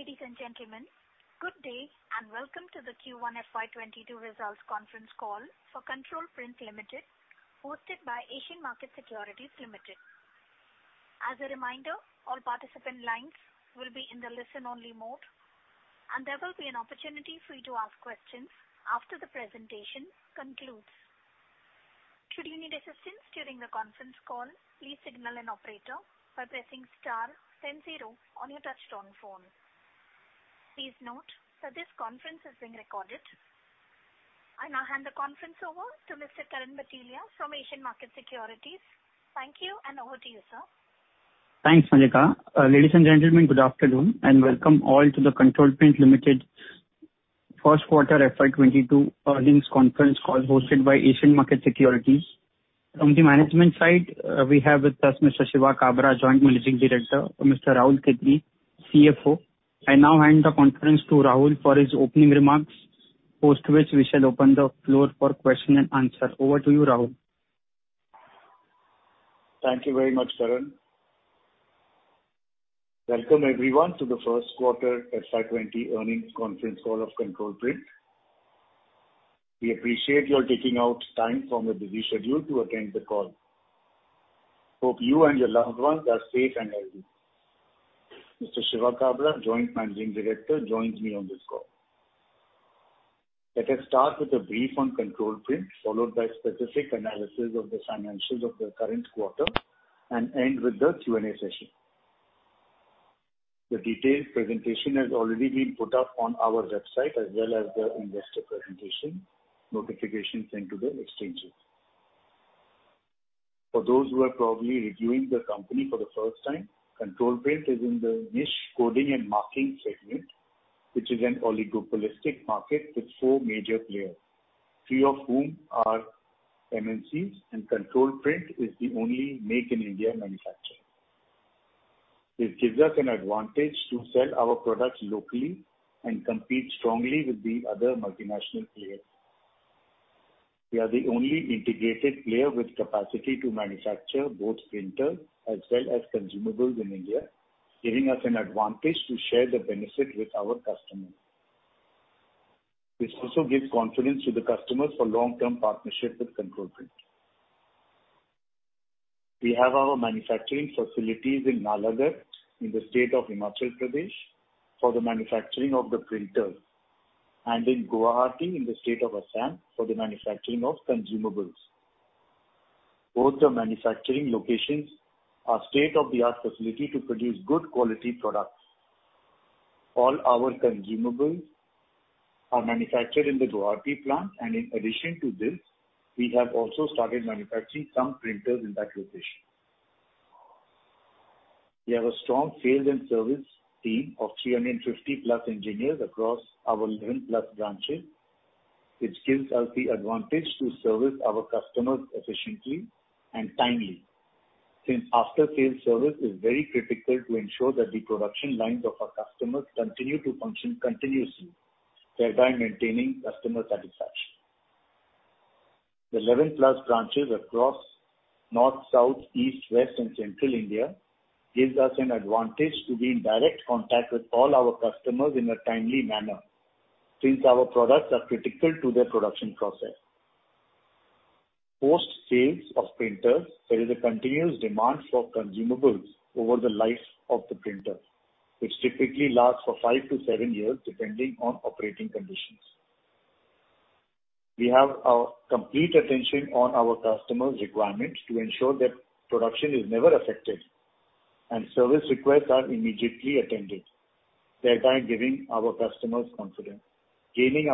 Ladies and gentlemen, good day and welcome to the Q1 FY 2022 Results Conference Call For Control Print Limited hosted by Asian Markets Securities Limited. As a reminder, all participant lines will be in the listen only mode, and there will be an opportunity for you to ask questions after the presentation concludes. Should you need assistance during the conference call, please signal an operator by pressing star then zero on your touchtone phone. Please note that this conference is being recorded. I now hand the conference over to Mr. Karan Bhatelia from Asian Markets Securities. Thank you, and over to you, sir. Thanks, Mallika. Ladies and gentlemen, good afternoon and welcome all to the Control Print Limited First Quarter FY 2022 Earnings Conference Call hosted by Asian Markets Securities. From the management side, we have with us Mr. Shiva Kabra, Joint Managing Director, and Mr. Rahul Khettry, CFO. I now hand the conference to Rahul for his opening remarks, post which we shall open the floor for question and answer. Over to you, Rahul. Thank you very much, Karan. Welcome everyone to the First Quarter FY 2022 Earnings Conference Call of Control Print. We appreciate your taking out time from your busy schedule to attend the call. Hope you and your loved ones are safe and healthy. Mr. Shiva Kabra, Joint Managing Director, joins me on this call. Let us start with a brief on Control Print, followed by specific analysis of the financials of the current quarter, end with the Q&A session. The detailed presentation has already been put up on our website as well as the investor presentation notifications sent to the exchanges. For those who are probably reviewing the company for the first time, Control Print is in the niche coding and marking segment, which is an oligopolistic market with four major players, three of whom are MNCs, and Control Print is the only Make in India manufacturer. This gives us an advantage to sell our products locally and compete strongly with the other multinational players. We are the only integrated player with capacity to manufacture both printers as well as consumables in India, giving us an advantage to share the benefit with our customers. This also gives confidence to the customers for long-term partnership with Control Print. We have our manufacturing facilities in Nalagarh in the state of Himachal Pradesh for the manufacturing of the printers, and in Guwahati in the state of Assam for the manufacturing of consumables. Both the manufacturing locations are state-of-the-art facility to produce good quality products. All our consumables are manufactured in the Guwahati plant, and in addition to this, we have also started manufacturing some printers in that location. We have a strong sales and service team of 350+ engineers across our 11+ branches, which gives us the advantage to service our customers efficiently and timely, since after-sales service is very critical to ensure that the production lines of our customers continue to function continuously, thereby maintaining customer satisfaction. The 11+ branches across North, South, East, West, and Central India gives us an advantage to be in direct contact with all our customers in a timely manner since our products are critical to their production process. Post-sales of printers, there is a continuous demand for consumables over the life of the printer, which typically lasts for 5-7 years, depending on operating conditions. We have our complete attention on our customers' requirements to ensure that production is never affected and service requests are immediately attended, thereby gaining our customers' confidence. We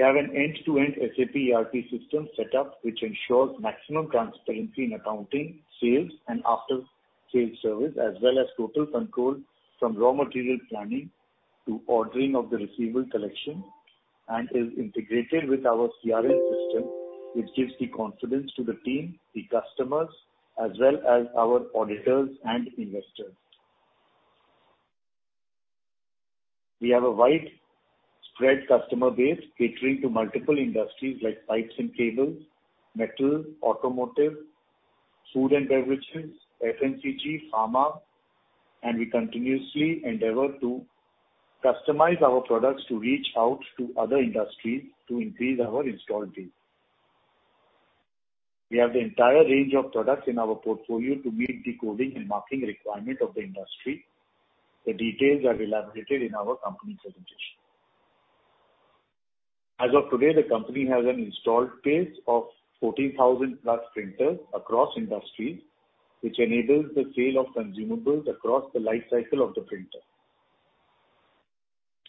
have an end-to-end SAP ERP system set up which ensures maximum transparency in accounting, sales, and after-sales service as well as total control from raw material planning to ordering of the receivable collection and is integrated with our CRM system, which gives the confidence to the team, the customers, as well as our auditors and investors. We have a widespread customer base catering to multiple industries like pipes and cables, metal, automotive, food and beverages, FMCG, pharma, and we continuously endeavor to customize our products to reach out to other industries to increase our installed base. We have the entire range of products in our portfolio to meet the coding and marking requirement of the industry. The details are elaborated in our company presentation. As of today, the company has an installed base of 14,000+ printers across industries, which enables the sale of consumables across the life cycle of the printer.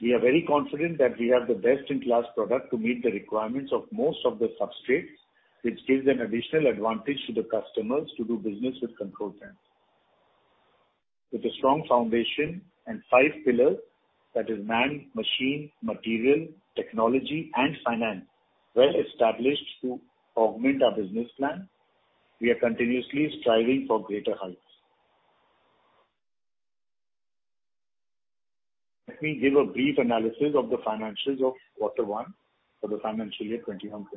We are very confident that we have the best-in-class product to meet the requirements of most of the substrates, which gives an additional advantage to the customers to do business with Control Print. With a strong foundation and five pillars, that is man, machine, material, technology, and finance well established to augment our business plan, we are continuously striving for greater heights. Let me give a brief analysis of the financials of quarter one for the financial year 2021/2022.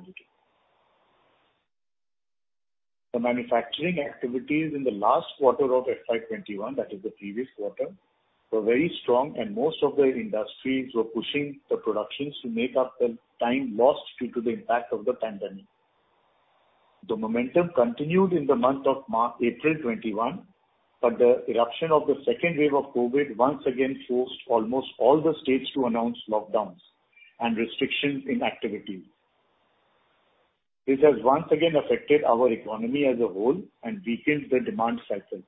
The manufacturing activities in the last quarter of FY 2021, that is the previous quarter, were very strong and most of their industries were pushing the productions to make up the time lost due to the impact of the pandemic. The momentum continued in the month of April 2021, but the eruption of the second wave of COVID once again forced almost all the states to announce lockdowns and restrictions in activities. This has once again affected our economy as a whole and weakened the demand cycle.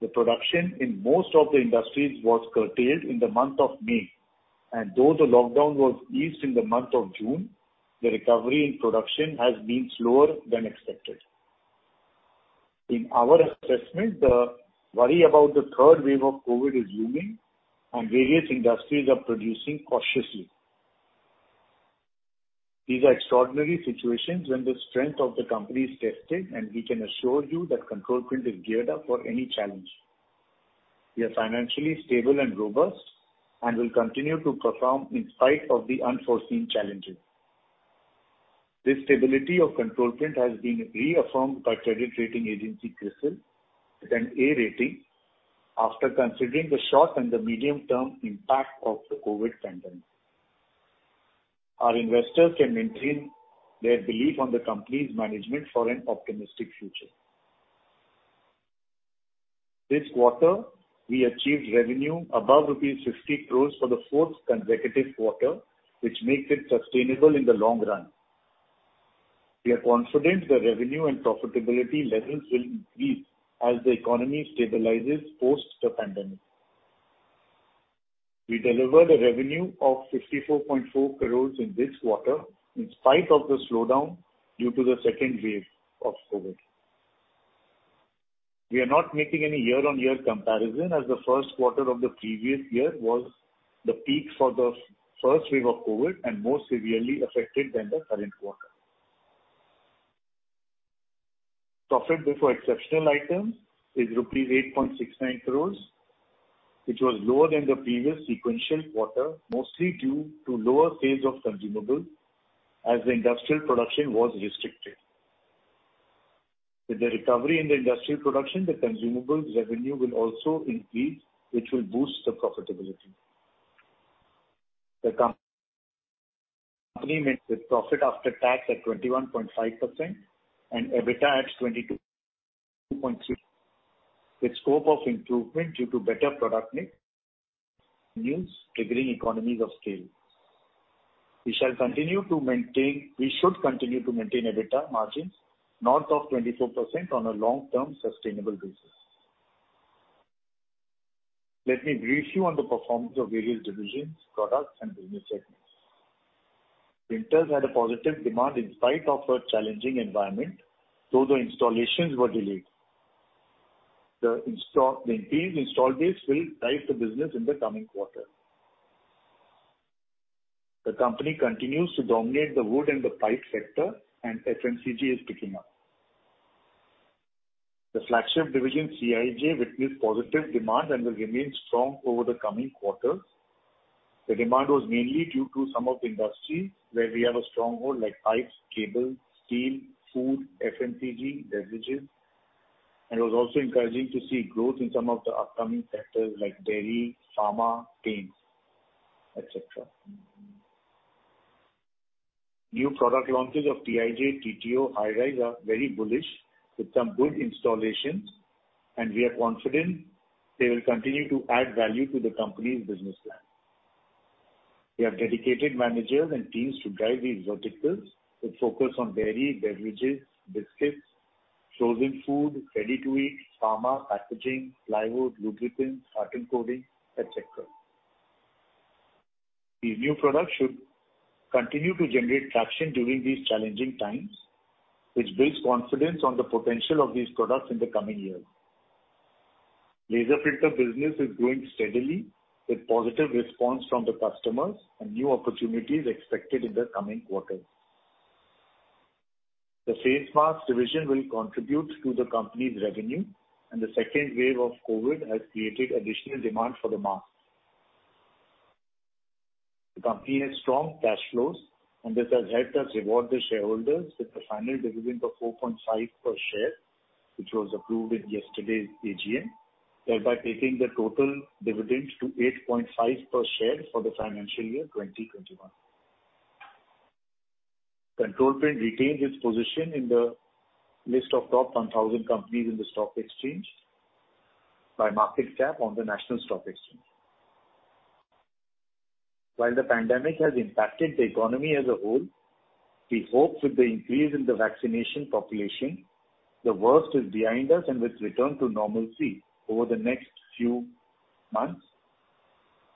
The production in most of the industries was curtailed in the month of May, and though the lockdown was eased in the month of June, the recovery in production has been slower than expected. In our assessment, the worry about the third wave of COVID is looming and various industries are producing cautiously. These are extraordinary situations when the strength of the company is tested, and we can assure you that Control Print is geared up for any challenge. We are financially stable and robust and will continue to perform in spite of the unforeseen challenges. The stability of Control Print has been reaffirmed by credit rating agency, CRISIL with an A rating after considering the short and the medium-term impact of the COVID pandemic. Our investors can maintain their belief on the company's management for an optimistic future. This quarter, we achieved revenue above rupees 50 crores for the fourth consecutive quarter, which makes it sustainable in the long run. We are confident the revenue and profitability levels will increase as the economy stabilizes post the pandemic. We deliver the revenue of 64.4 crores in this quarter in spite of the slowdown due to the second wave of COVID. We are not making any year-on-year comparison as the first quarter of the previous year was the peak for the first wave of COVID and more severely affected than the current quarter. Profit before exceptional items is rupees 8.69 crores, which was lower than the previous sequential quarter, mostly due to lower sales of consumable as the industrial production was restricted. With the recovery in the industrial production, the consumable revenue will also increase, which will boost the profitability. The company makes a profit after tax at 21.5% and EBITDA at 22.3%, with scope of improvement due to better product mix and new triggering economies of scale. We should continue to maintain EBITDA margins north of 24% on a long-term sustainable basis. Let me brief you on the performance of various divisions, products, and business segments. Printers had a positive demand in spite of a challenging environment, though the installations were delayed. The maintained install base will drive the business in the coming quarter. The company continues to dominate the wood and the pipe sector, and FMCG is picking up. The flagship division, CIJ, witnessed positive demand and will remain strong over the coming quarters. The demand was mainly due to some of the industries where we have a stronghold like pipes, cable, steel, food, FMCG, beverages, and was also encouraging to see growth in some of the upcoming sectors like dairy, pharma, paints, et cetera. New product launches of TIJ, TTO, High-Resolution are very bullish with some good installations, and we are confident they will continue to add value to the company's business plan. We have dedicated managers and teams to drive these verticals with focus on dairy, beverages, biscuits, frozen food, ready-to-eat, pharma, packaging, plywood, lubricants, carton coating, et cetera. These new products should continue to generate traction during these challenging times, which builds confidence on the potential of these products in the coming years. Laser Printer business is growing steadily with positive response from the customers and new opportunities expected in the coming quarters. The face mask division will contribute to the company's revenue, and the second wave of COVID has created additional demand for the mask. The company has strong cash flows, and this has helped us reward the shareholders with a final dividend of 4.5 per share, which was approved in yesterday's AGM, thereby taking the total dividend to 8.5 per share for the financial year 2021. Control Print retained its position in the list of top 1,000 companies in the stock exchange by market cap on the National Stock Exchange. While the pandemic has impacted the economy as a whole, we hope with the increase in the vaccination population, the worst is behind us and with return to normalcy over the next few months,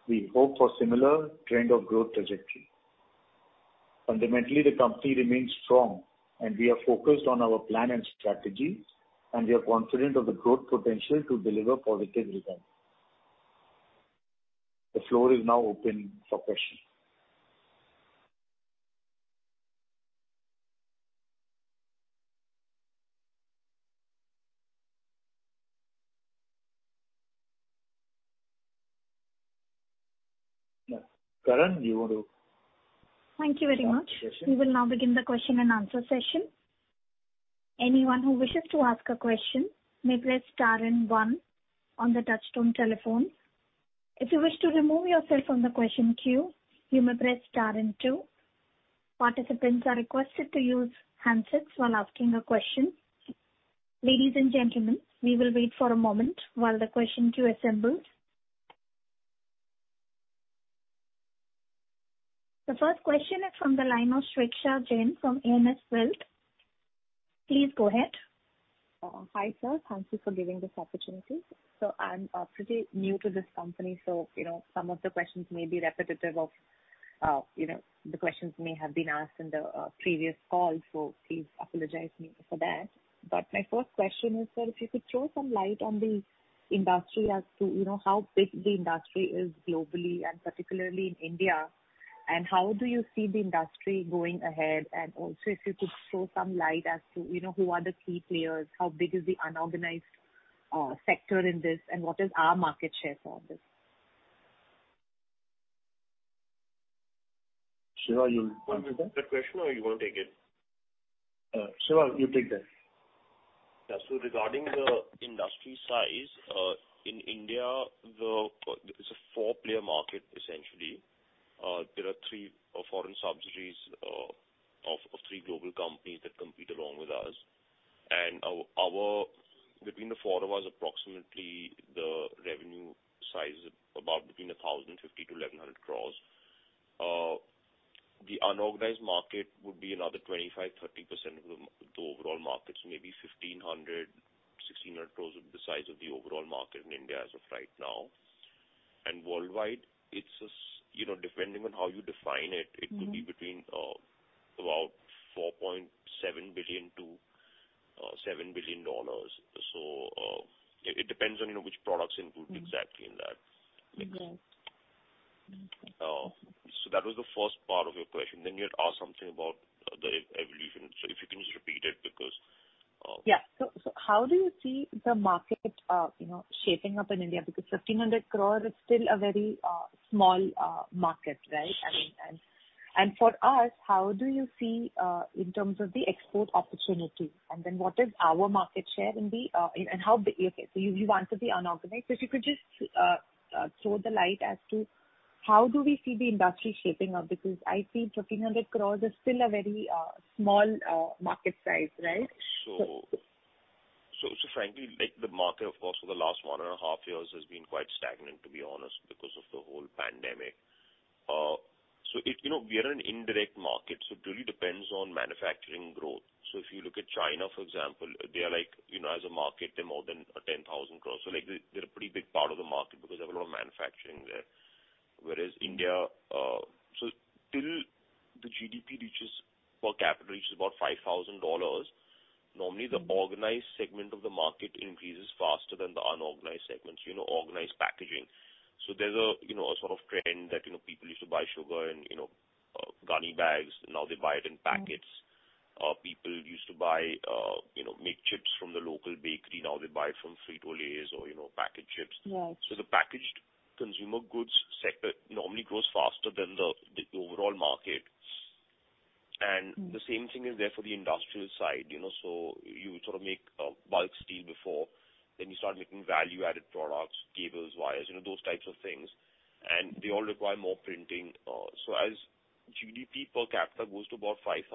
we hope for similar trend of growth trajectory. Fundamentally, the company remains strong and we are focused on our plan and strategy, and we are confident of the growth potential to deliver positive returns. The floor is now open for questions. Karan. Thank you very much. We will now begin the question and answer session. The first question is from the line of Shweta Jain from ANS Wealth. Please go ahead. Hi, sir. Thank you for giving this opportunity. I'm pretty new to this company, so some of the questions may be repetitive of the questions may have been asked in the previous call, so please apologize me for that. My first question is, sir, if you could throw some light on the industry as to how big the industry is globally and particularly in India. How do you see the industry going ahead? Also, if you could throw some light as to who are the key players, how big is the unorganized sector in this, and what is our market share for this? Shiva, you answer that? You want to take that question or you won't take it? Shiva, you take that. Regarding the industry size, in India, it's a four-player market, essentially. There are three foreign subsidiaries of three global companies that compete along with us. Between the four of us, approximately the revenue size is about between 1,050 crores-1,100 crores. The unorganized market would be another 25%-30% of the overall market. Maybe 1,500 crores-1,600 crores would be the size of the overall market in India as of right now. Worldwide, depending on how you define it could be between about $4.7 billion-$7 billion. It depends on which products are included exactly in that. Right. Okay. That was the first part of your question. You had asked something about the evolution. If you can just repeat it? Yeah. How do you see the market shaping up in India? Because 1,500 crores is still a very small market, right? For us, how do you see in terms of the export opportunity? What is our market share? You want to be unorganized. If you could just throw the light as to how do we see the industry shaping up, because I see 1,500 crores is still a very small market size, right? Frankly, the market, of course, for the last one and a half years has been quite stagnant, to be honest, because of the whole pandemic. We are an indirect market, so it really depends on manufacturing growth. If you look at China, for example, they are like as a market, they're more than 10,000 crores. They're a pretty big part of the market because they have a lot of manufacturing there. Whereas India, till the GDP per capita reaches about $5,000, normally the organized segment of the market increases faster than the unorganized segments, organized packaging. There's a sort of trend that people used to buy sugar in Gunny bags, now they buy it in packets. People used to make chips from the local bakery. Now they buy from Frito-Lay or packaged chips. Right. The packaged consumer goods sector normally grows faster than the overall market. The same thing is there for the industrial side. You would sort of make bulk steel before, then you start making value-added products, cables, wires, those types of things. They all require more printing. As GDP per capita goes to about $5,000,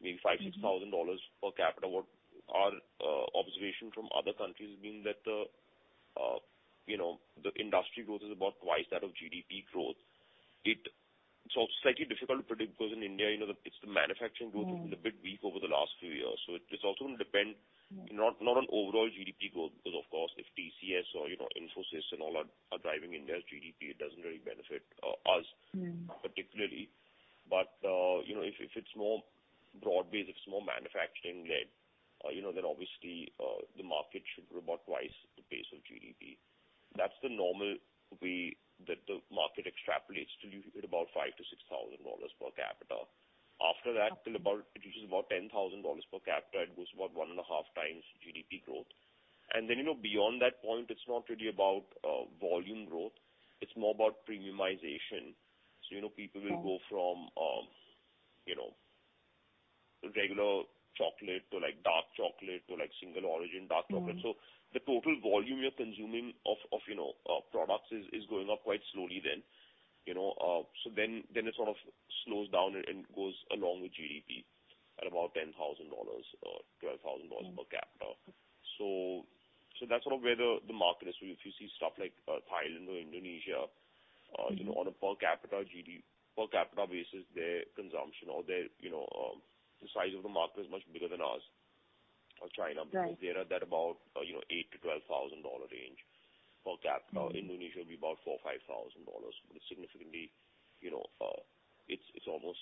maybe $5,000, $6,000 per capita, our observation from other countries being that the industry growth is about 2x that of GDP growth. It's slightly difficult to predict because in India, it's the manufacturing growth has been a bit weak over the last few years. It's also going to depend not on overall GDP growth because, of course, if TCS or Infosys and all are driving India's GDP, it doesn't really benefit us particularly. If it's more broad-based, if it's more manufacturing-led, then obviously the market should grow about 2x the pace of GDP. That's the normal way that the market extrapolates till you hit about $5,000-$6,000 per capita. After that, till about it reaches about $10,000 per capita, it goes about 1.5x GDP growth. Beyond that point, it's not really about volume growth. It's more about premiumization. People will go from regular chocolate to dark chocolate to single-origin dark chocolate. The total volume you're consuming of products is going up quite slowly. It sort of slows down and goes along with GDP at about $10,000 or $12,000 per capita. Okay. That's sort of where the market is. If you see stuff like Thailand or Indonesia, on a per capita basis, their consumption or the size of the market is much bigger than ours or China. Right. They're at about $8,000-$12,000 per capita. Indonesia will be about $4,000, $5,000. It's almost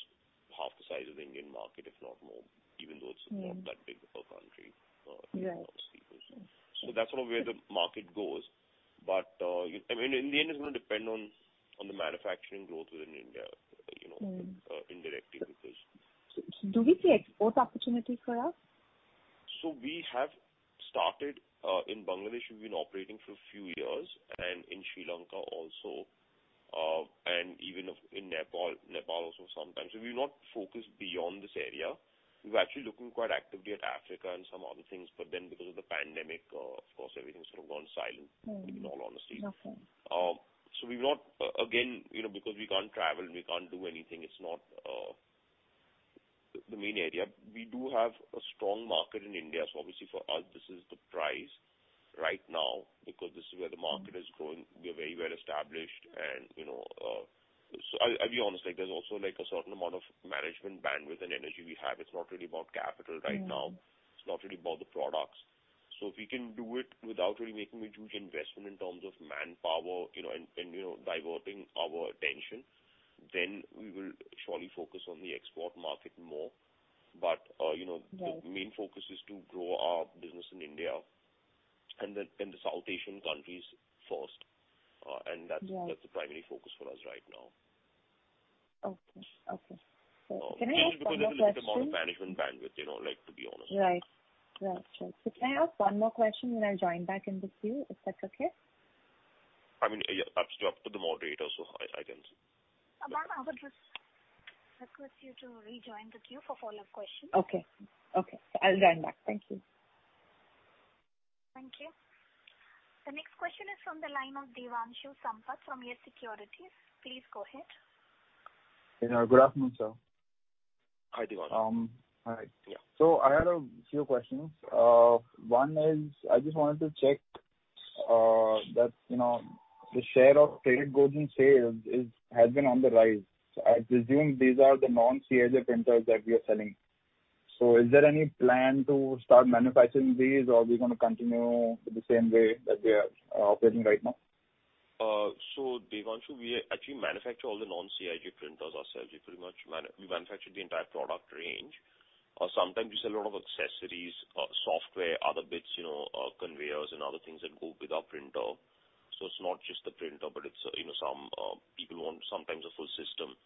half the size of the Indian market, if not more, even though it's not that big of a country. Right. That's sort of where the market goes. In the end, it's going to depend on the manufacturing growth within India indirectly. Do we see export opportunities for us? We have started in Bangladesh. We've been operating for a few years, and in Sri Lanka also, and even in Nepal also sometimes. We've not focused beyond this area. We were actually looking quite actively at Africa and some other things, but then because of the pandemic, of course, everything sort of gone silent, in all honesty. Okay. Again, because we can't travel, we can't do anything. It's not the main area. We do have a strong market in India. Obviously for us, this is the prize right now because this is where the market is growing. We are very well established. I'll be honest, there's also a certain amount of management bandwidth and energy we have. It's not really about capital right now. It's not really about the products. If we can do it without really making a huge investment in terms of manpower and diverting our attention, we will surely focus on the export market more. The main focus is to grow our business in India and the South Asian countries first. That's the primary focus for us right now. Okay. Can I ask one more question? Mainly because there is a limited amount of management bandwidth, to be honest. Right. Sure. Can I ask one more question when I join back in the queue? Is that okay? I've talked to the moderator, so I can see. Ma'am, I would request you to rejoin the queue for follow-up questions. Okay. I'll join back. Thank you. Thank you. The next question is from the line of Devanshu Sampat from YES Securities. Please go ahead. Good afternoon, sir. Hi, Devanshu. I had a few questions. One is I just wanted to check that the share of traded goods and sales has been on the rise. I presume these are the non-CIJ printers that we are selling. Is there any plan to start manufacturing these or we're going to continue the same way that we are operating right now? Devanshu, we actually manufacture all the non-CIJ printers ourselves. We pretty much manufacture the entire product range. Sometimes we sell a lot of accessories, software, other bits, conveyors and other things that go with our printer. It's not just the printer, but some people want sometimes a full system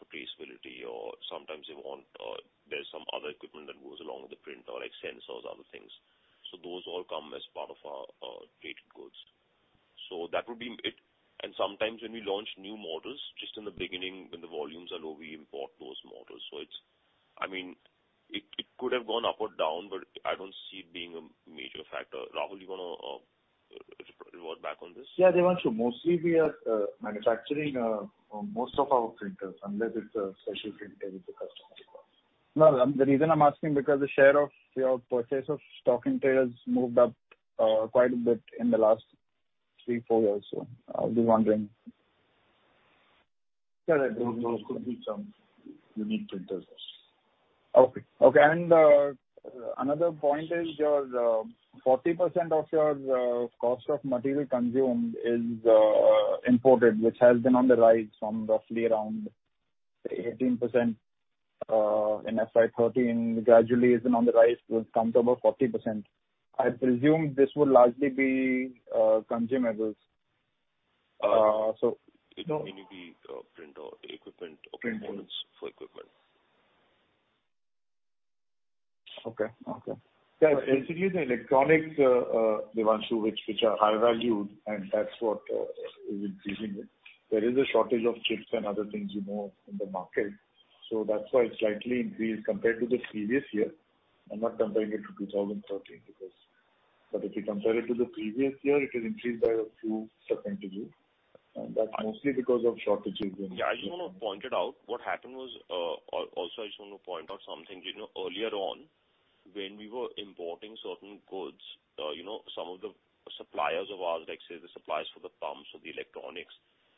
for traceability or sometimes there's some other equipment that goes along with the printer, like sensors, other things. Those all come as part of our traded goods. That would be it. Sometimes when we launch new models, just in the beginning when the volumes are low, we import those models. It could have gone up or down, but I don't see it being a major factor. Rahul, do you want to revert back on this? Yeah, Devanshu. Mostly we are manufacturing most of our printers unless it's a special printer with the customer's request. The reason I'm asking because the share of your purchase of stock inventory has moved up quite a bit in the last three, four years. I was just wondering. Yeah, those could be some unique printers. Okay. Another point is, 40% of your cost of material consumed is imported, which has been on the rise from roughly around 18% in FY 2013, gradually is on the rise to come to about 40%. I presume this will largely be consumables. It may be printer equipment or components for equipment. Okay. Yeah. Basically, the electronics, Devanshu, which are high-valued and that's what is increasing it. There is a shortage of chips and other things in the market. That's why it slightly increased compared to the previous year. I'm not comparing it to 2013. If you compare it to the previous year, it has increased by a few percentages. That's mostly because of shortages. Yeah, I just want to point out something. Earlier on when we were importing certain goods, some of the suppliers of ours, like say the suppliers for the pumps or the electronics,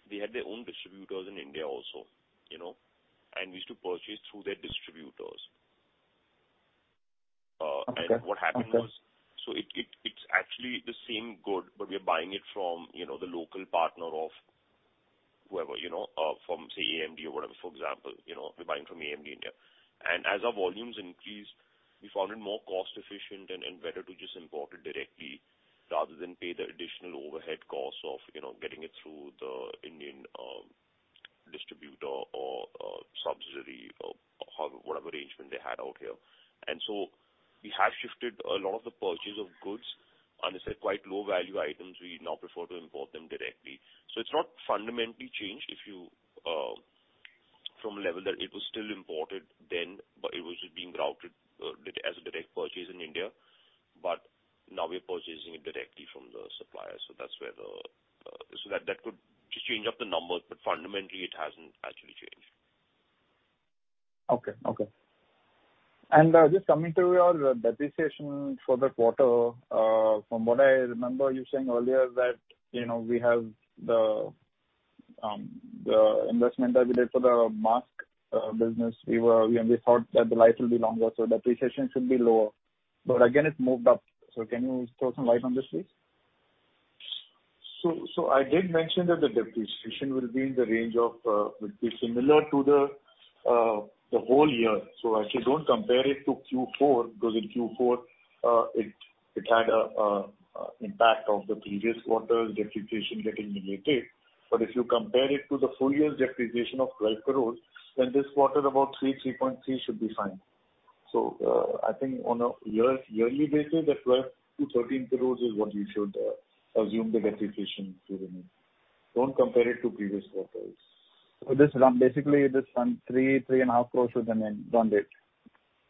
they had their own distributors in India also and we used to purchase through their distributors. Okay. What happened was, it's actually the same good, but we are buying it from the local partner of whoever, from say AMD or whatever, for example, we're buying from AMD India. As our volumes increased, we found it more cost efficient and better to just import it directly rather than pay the additional overhead costs of getting it through the Indian distributor or subsidiary or whatever arrangement they had out here. We have shifted a lot of the purchase of goods. Unless they're quite low-value items, we now prefer to import them directly. It's not fundamentally changed from a level that it was still imported then, but it was just being routed as a direct purchase in India. Now we are purchasing it directly from the supplier. That could just change up the numbers, but fundamentally it hasn't actually changed. Okay. Just coming to your depreciation for the quarter, from what I remember you saying earlier that we have the investment that we did for the mask business, we thought that the life will be longer, so depreciation should be lower, but again, it moved up. Can you throw some light on this, please? I did mention that the depreciation will be similar to the whole year. Actually don't compare it to Q4 because in Q4 it had an impact of the previous quarter depreciation getting negated. If you compare it to the full year's depreciation of 12 crores, then this quarter about 3.3 crores should be fine. I think on a yearly basis that 12 crores-13 crores is what you should assume the depreciation to remain. Don't compare it to previous quarters. Basically this time INR 3 crores, INR 3.5 crores should have been done with.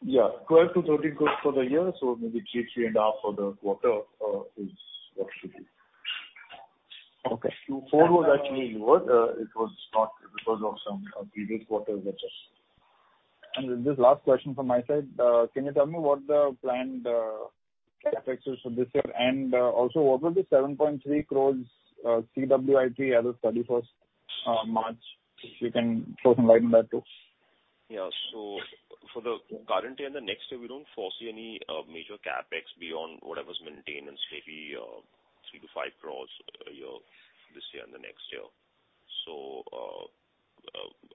Yeah. 12 crore-13 crore for the year, so maybe 3.5 crores for the quarter is what it should be. Okay. Q4 was actually lower. It was not because of some previous quarters. This is last question from my side. Can you tell me what the planned CapEx is for this year? Also what was the 7.3 crores CWIP as of 31st March? If you can throw some light on that too. For the current year and the next year, we don't foresee any major CapEx beyond whatever's maintenance, maybe 3 crores-5 crores a year this year and the next year.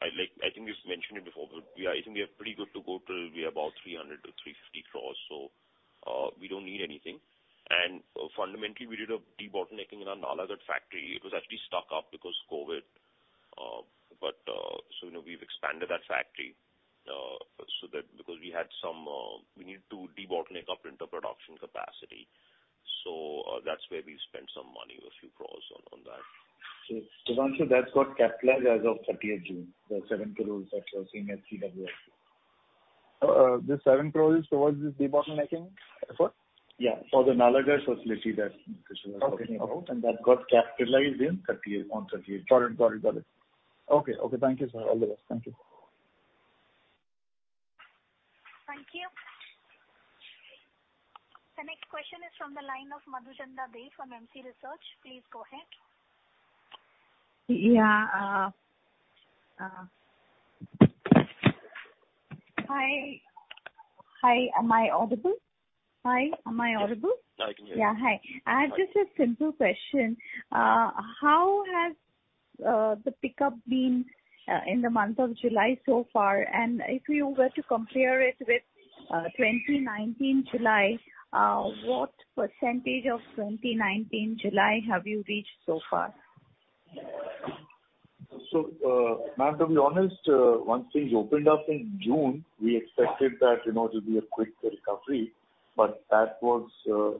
I think we've mentioned it before, but I think we are pretty good to go till we about 300 crores-350 crores. We don't need anything. Fundamentally we did a debottlenecking in our Nalagarh factory. It was actually stuck up because COVID. We've expanded that factory because we need to debottleneck our printer production capacity. That's where we spent some money, a few crores on that. Devanshu, that got capitalized as of 30th June, the 7 crores that you're seeing as CWIP. This 7 crores is towards this debottlenecking effort? Yeah, for the Nalagarh facility that Shiva was talking about. Okay. That got capitalized on 30th June. Got it. Okay. Thank you, sir. All the best. Thank you. Thank you. The next question is from the line of Madhuchanda Dey from MC Research. Please go ahead. Yeah. Hi. Am I audible? I can hear you. Yeah. Hi. I have just a simple question. How has the pickup been in the month of July so far? If you were to compare it with 2019 July, what percentage of 2019 July have you reached so far? Ma'am, to be honest once things opened up in June, we expected that to be a quick recovery, but that was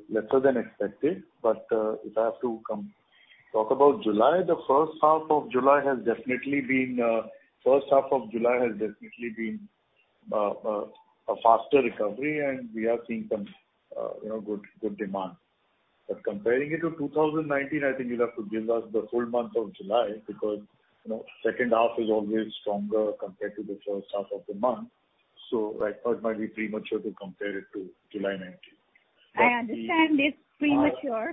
lesser than expected. If I have to talk about July, the first half of July has definitely been a faster recovery and we are seeing some good demand. Comparing it to 2019, I think you'll have to give us the full month of July because second half is always stronger compared to the first half of the month. Right now it might be premature to compare it to July 2019. I understand it's premature,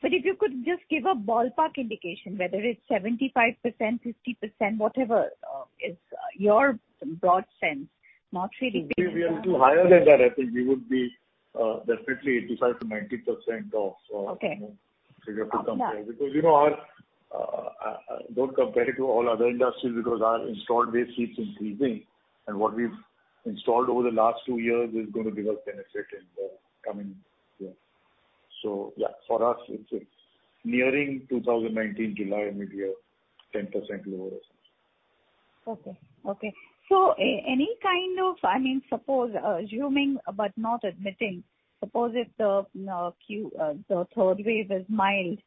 but if you could just give a ballpark indication whether it's 75%, 50%, whatever is your broad sense. We are little higher than that. I think we would be definitely 85%-90%. Okay if we have to compare. Don't compare it to all other industries because our installed base keeps increasing, and what we've installed over the last two years is going to give us benefit in the coming year. Yeah, for us, it's nearing 2019 July, maybe a 10% lower or something. Okay. Any kind of, suppose assuming but not admitting, suppose if the third wave is mild,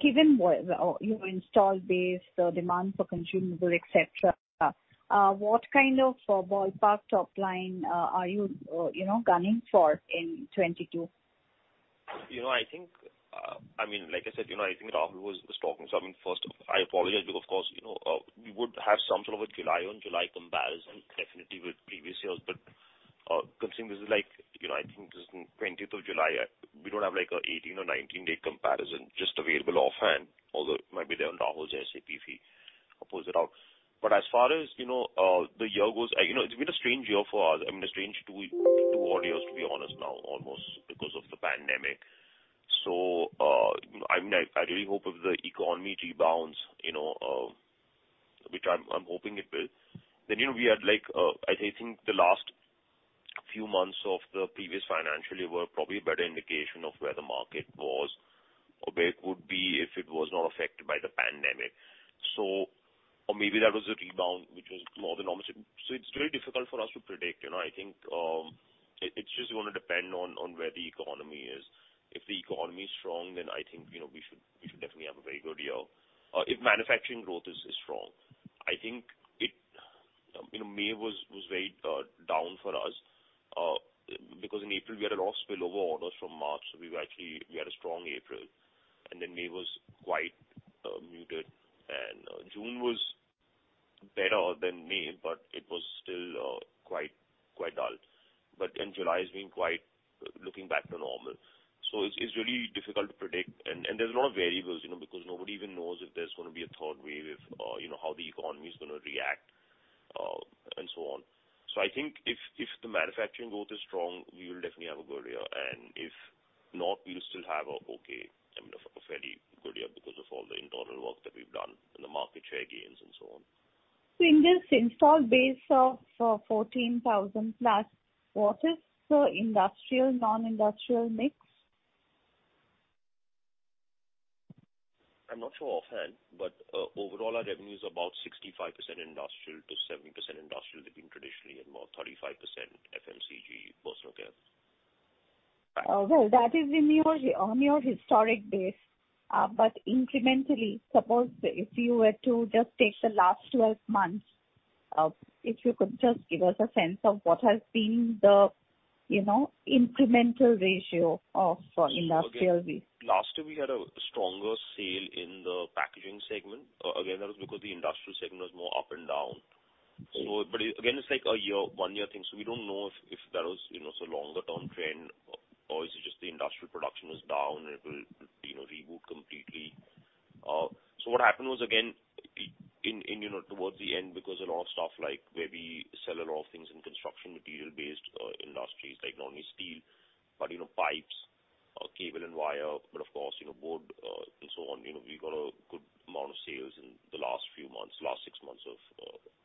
given your install base, the demand for consumable, et cetera, what kind of ballpark top line are you gunning for in 2022? Like I said, I think Rahul was talking. First I apologize because, of course we would have some sort of a July on July comparison definitely with previous years. Considering, I think this is 20th of July, we don't have an 18 July or 19 July date comparison just available offhand, although it might be there on Rahul's SAP if he pulls it out. As far as the year goes, it's been a strange year for us. A strange two odd years, to be honest now, almost because of the pandemic. I really hope if the economy rebounds, which I'm hoping it will, I think the last few months of the previous financial year were probably a better indication of where the market was or where it would be if it was not affected by the pandemic. Maybe that was a rebound which was more than normal. It's very difficult for us to predict. I think it's just going to depend on where the economy is. If the economy is strong, then I think we should definitely have a very good year. If manufacturing growth is strong. I think May was very down for us because in April we had a lot of spillover orders from March, so we actually had a strong April, and then May was quite muted and June was better than May, but it was still quite dull. July has been quite looking back to normal. It's really difficult to predict and there's a lot of variables because nobody even knows if there's going to be a third wave, how the economy is going to react. So on. I think if the manufacturing growth is strong, we will definitely have a good year. If not, we'll still have a fairly good year because of all the internal work that we've done and the market share gains and so on. In this install base of 14,000+, what is the industrial non-industrial mix? I'm not sure offhand, but overall, our revenue is about 65% industrial to 70% industrial, they've been traditionally, and about 35% FMCG personal care. Well, that is on your historic base. Incrementally, suppose if you were to just take the last 12 months, if you could just give us a sense of what has been the incremental ratio of industrial base. Last year, we had a stronger sale in the packaging segment. That was because the industrial segment was more up and down. It's like a one-year thing, so we don't know if that was a longer-term trend or is it just the industrial production was down, and it will reboot completely. What happened was, again, towards the end, because a lot of stuff like where we sell a lot of things in construction material-based industries, like not only steel, but pipes, cable and wire, but of course wood, and so on. We got a good amount of sales in the last few months, last six months of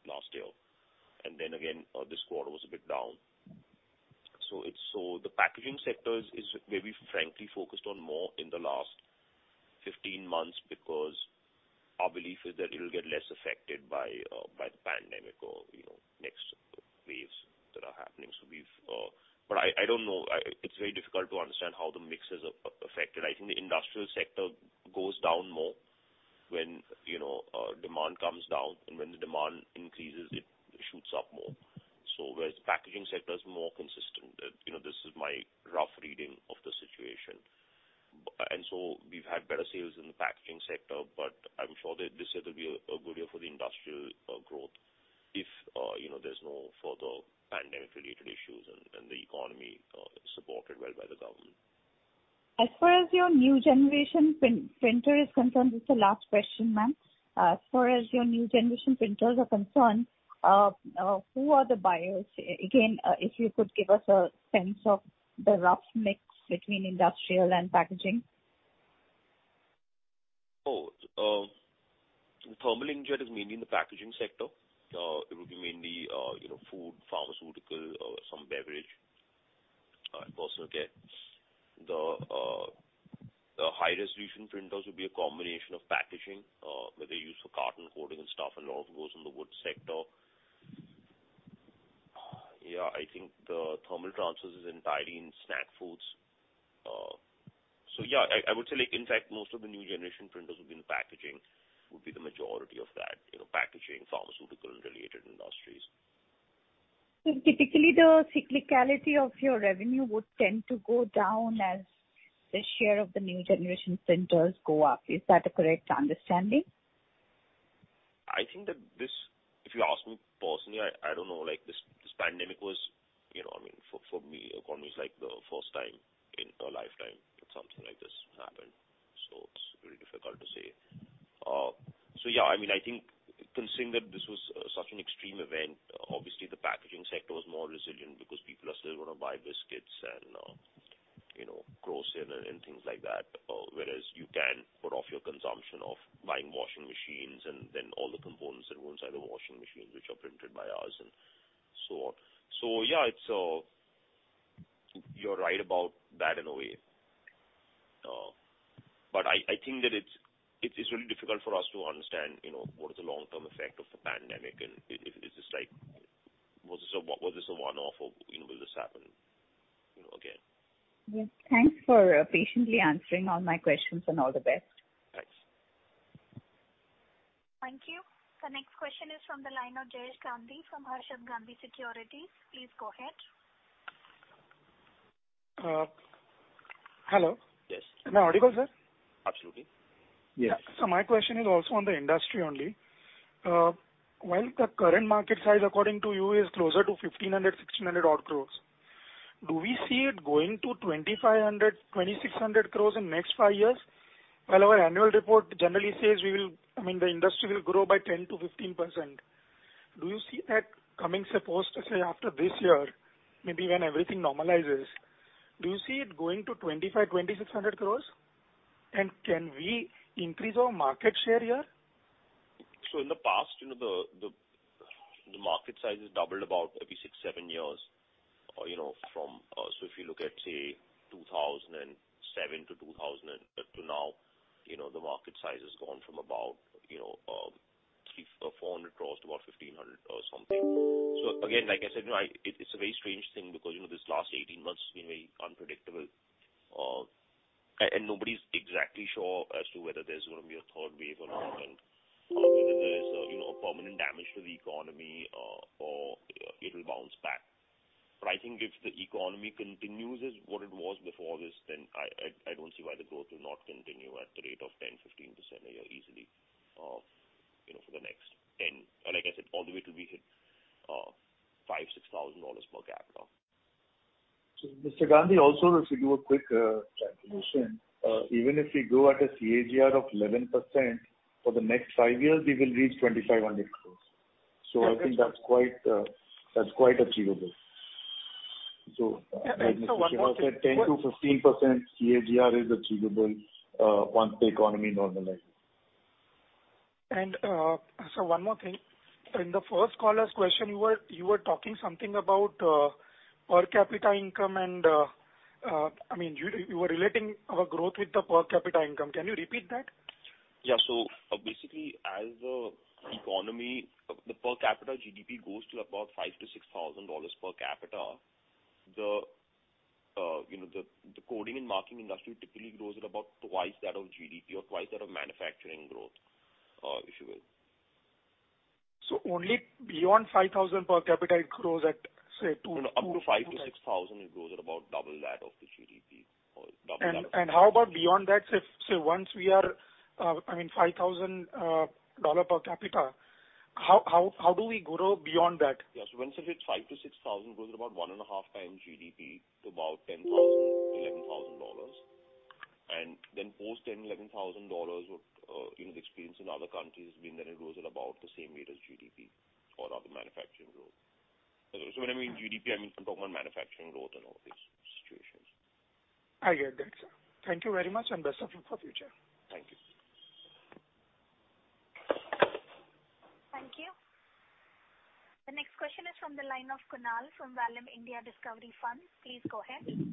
last year. This quarter was a bit down. The packaging sector is where we've frankly focused on more in the last 15 months because our belief is that it'll get less affected by the pandemic or next waves that are happening. I don't know. It's very difficult to understand how the mix is affected. I think the industrial sector goes down more when demand comes down, and when the demand increases, it shoots up more. Whereas the packaging sector is more consistent. This is my rough reading of the situation. We've had better sales in the packaging sector, but I'm sure that this year will be a good year for the industrial growth if there's no further pandemic-related issues and the economy is supported well by the government. As far as your new generation printer is concerned, this is the last question, ma'am. As far as your new generation printers are concerned, who are the buyers? Again, if you could give us a sense of the rough mix between industrial and packaging. Thermal inkjet is mainly in the packaging sector. It would be mainly food, pharmaceutical, some beverage, and personal care. The high-resolution printers would be a combination of packaging, where they are used for carton coding and stuff. A lot of it goes in the wood sector. I think the thermal transfers is entirely in snack foods. I would say, in fact, most of the new generation printers would be in packaging, would be the majority of that. Packaging, pharmaceutical and related industries. Typically, the cyclicality of your revenue would tend to go down as the share of the new generation printers go up. Is that a correct understanding? If you ask me personally, I don't know. This pandemic was, for me, it was the first time in a lifetime that something like this happened. It's very difficult to say. I think considering that this was such an extreme event, obviously the packaging sector was more resilient because people are still going to buy biscuits and groceries and things like that. Whereas you can put off your consumption of buying washing machines and then all the components that go inside the washing machine, which are printed by us and so on. You're right about that in a way. I think that it's really difficult for us to understand what is the long-term effect of the pandemic, and was this a one-off or will this happen again? Yes. Thanks for patiently answering all my questions, and all the best. Thanks. Thank you. The next question is from the line of Jayesh Gandhi from Harshad H Gandhi Securities. Please go ahead. Hello. Yes. Am I audible, sir? Absolutely. My question is also on the industry only. While the current market size, according to you, is closer to 1,500 crores-1,600 odd crores, do we see it going to 2,500 crores-2,600 crores in next five years? While our annual report generally says the industry will grow by 10%-15%, do you see that coming supposed to, say, after this year, maybe when everything normalizes, do you see it going to 2,500 crores-2,600 crores? Can we increase our market share here? In the past, the market size has doubled about every six, seven years. If you look at, say, 2007 to now, the market size has gone from about 400 crores to about 1,500 crores or something. Again, like I said, it's a very strange thing because this last 18 months has been very unpredictable. Nobody's exactly sure as to whether there's going to be a third wave or not, and whether there is a permanent damage to the economy or it'll bounce back. I think if the economy continues as what it was before this, then I don't see why the growth will not continue at the rate of 10%-15% a year easily for the next 10, or like I said, all the way till we hit $5,000, $6,000 per capita. Mr. Gandhi, also if we do a quick calculation, even if we grow at a CAGR of 11% for the next five years, we will reach 2,500 crore. I think that's quite achievable. Like Mr. Shiva said, 10%-15% CAGR is achievable once the economy normalizes. Sir, one more thing. In the first caller's question, you were talking something about per capita income and you were relating our growth with the per capita income. Can you repeat that? Yeah. Basically, as the economy, the per capita GDP goes to about $5,000-$6,000 per capita, the coding and marking industry typically grows at about twice that of GDP or twice that of manufacturing growth, if you will. Only beyond $5,000 per capita. No, up to $5,000-$6,000, it grows at about double that of the GDP. How about beyond that? Say, once we are at $5,000 per capita, how do we grow beyond that? Yeah. Once it hits $5,000-$6,000, it goes at about 1.5x GDP to about $10,000-$11,000. Then post $10,000-$11,000, the experience in other countries has been that it grows at about the same rate as GDP or other manufacturing growth. When I mean GDP, I mean manufacturing growth in all these situations. I get that, sir. Thank you very much and best of luck for future. Thank you. Thank you. The next question is from the line of Kunal from Vallum India Discovery Fund. Please go ahead.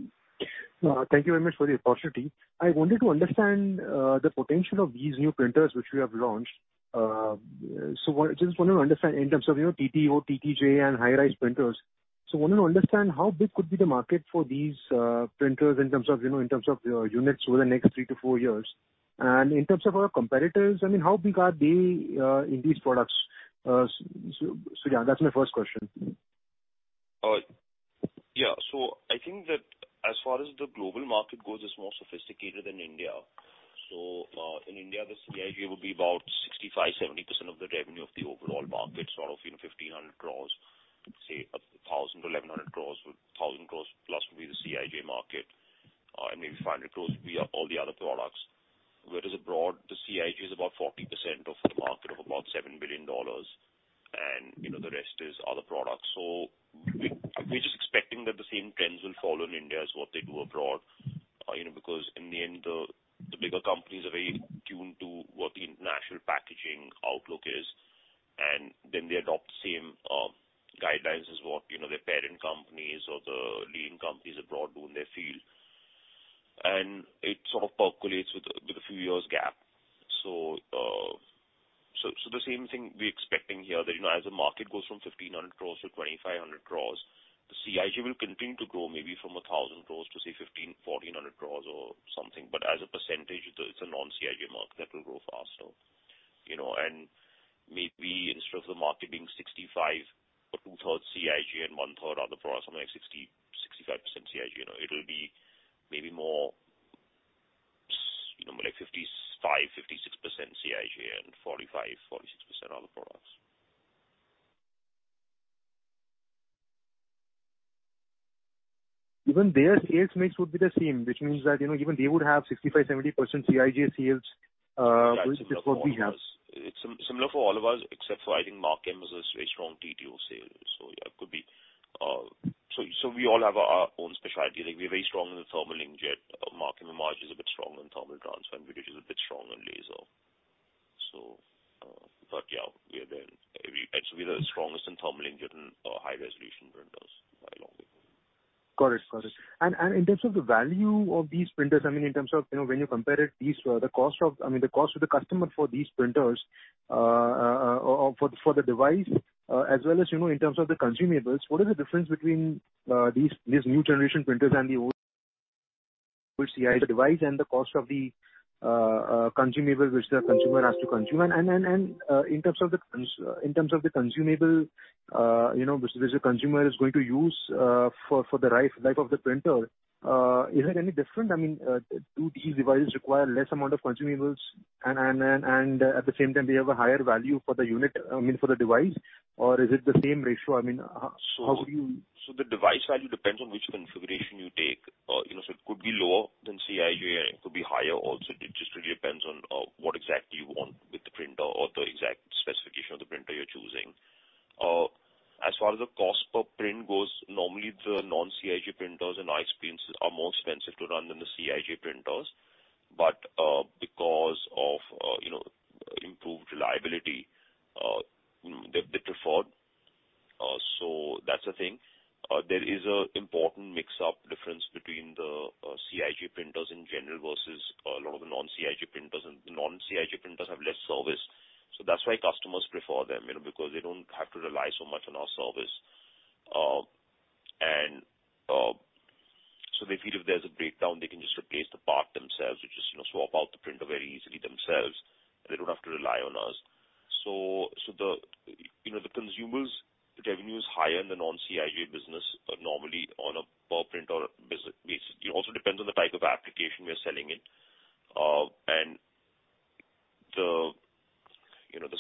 Thank you very much for the opportunity. I wanted to understand the potential of these new printers which you have launched. Just want to understand in terms of TTO, TIJ, and high-resolution printers. Want to understand how big could be the market for these printers in terms of units over the next 3-4 years. In terms of our competitors, how big are they in these products? Yeah, that's my first question. I think that as far as the global market goes, it's more sophisticated than India. In India, the CIJ will be about 65%-70% of the revenue of the overall market, sort of 1,500 crores. Say, 1,000 crores-1,100 crores. 1,000 crores+ will be the CIJ market. Maybe 500 crores will be all the other products. Whereas abroad, the CIJ is about 40% of the market of about $7 billion and the rest is other products. We're just expecting that the same trends will follow in India as what they do abroad, because in the end, the bigger companies are very tuned to what the international packaging outlook is, and then they adopt the same guidelines as what their parent companies or the leading companies abroad do in their field. It sort of percolates with a few years gap. The same thing we're expecting here, that as the market goes from 1,500 crores-2,500 crores, the CIJ will continue to grow maybe from 1,000 crores to, say, 1500 crores, 1,400 crores or something. As a percentage, it's a non-CIJ market that will grow faster. Maybe instead of the market being 65% or 2/3 CIJ and 1/3 other products, something like 60%-65% CIJ, it'll be maybe more like 55%-56% CIJ and 45%-46% other products. Even their sales mix would be the same, which means that even they would have 65%, 70% CIJ sales, which is what we have. It's similar for all of us, except for I think Markem-Imaje has a very strong TTO sales. Yeah, it could be. We all have our own specialty. Like we're very strong in the thermal inkjet. Markem-Imaje is a bit strong on thermal transfer. Videojet is a bit strong on laser. Yeah, we are the strongest in thermal inkjet and high-resolution printers by a long way. Got it. In terms of the value of these printers, in terms of when you compare it, the cost to the customer for these printers, for the device, as well as in terms of the consumables, what is the difference between these new generation printers and the old CI device and the cost of the consumable which the consumer has to consume? In terms of the consumable which the consumer is going to use for the life of the printer, is it any different? Do these devices require less amount of consumables and at the same time, they have a higher value for the unit, I mean, for the device? Or is it the same ratio? How do you. The device value depends on which configuration you take. It could be lower than CIJ, and it could be higher also. It just really depends on what exactly you want with the printer or the exact specification of the printer you're choosing. As far as the cost per print goes, normally the non-CIJ printers and ISPns are more expensive to run than the CIJ printers. Because of improved reliability, they prefer. That's a thing. There is an important mix-up difference between the CIJ printers in general versus a lot of the non-CIJ printers, and the non-CIJ printers have less service. That's why customers prefer them, because they don't have to rely so much on our service. They feel if there's a breakdown, they can just replace the part themselves or just swap out the printer very easily themselves, and they don't have to rely on us. The consumables revenue is higher in the non-CIJ business, normally on a per print or basic. It also depends on the type of application we are selling in.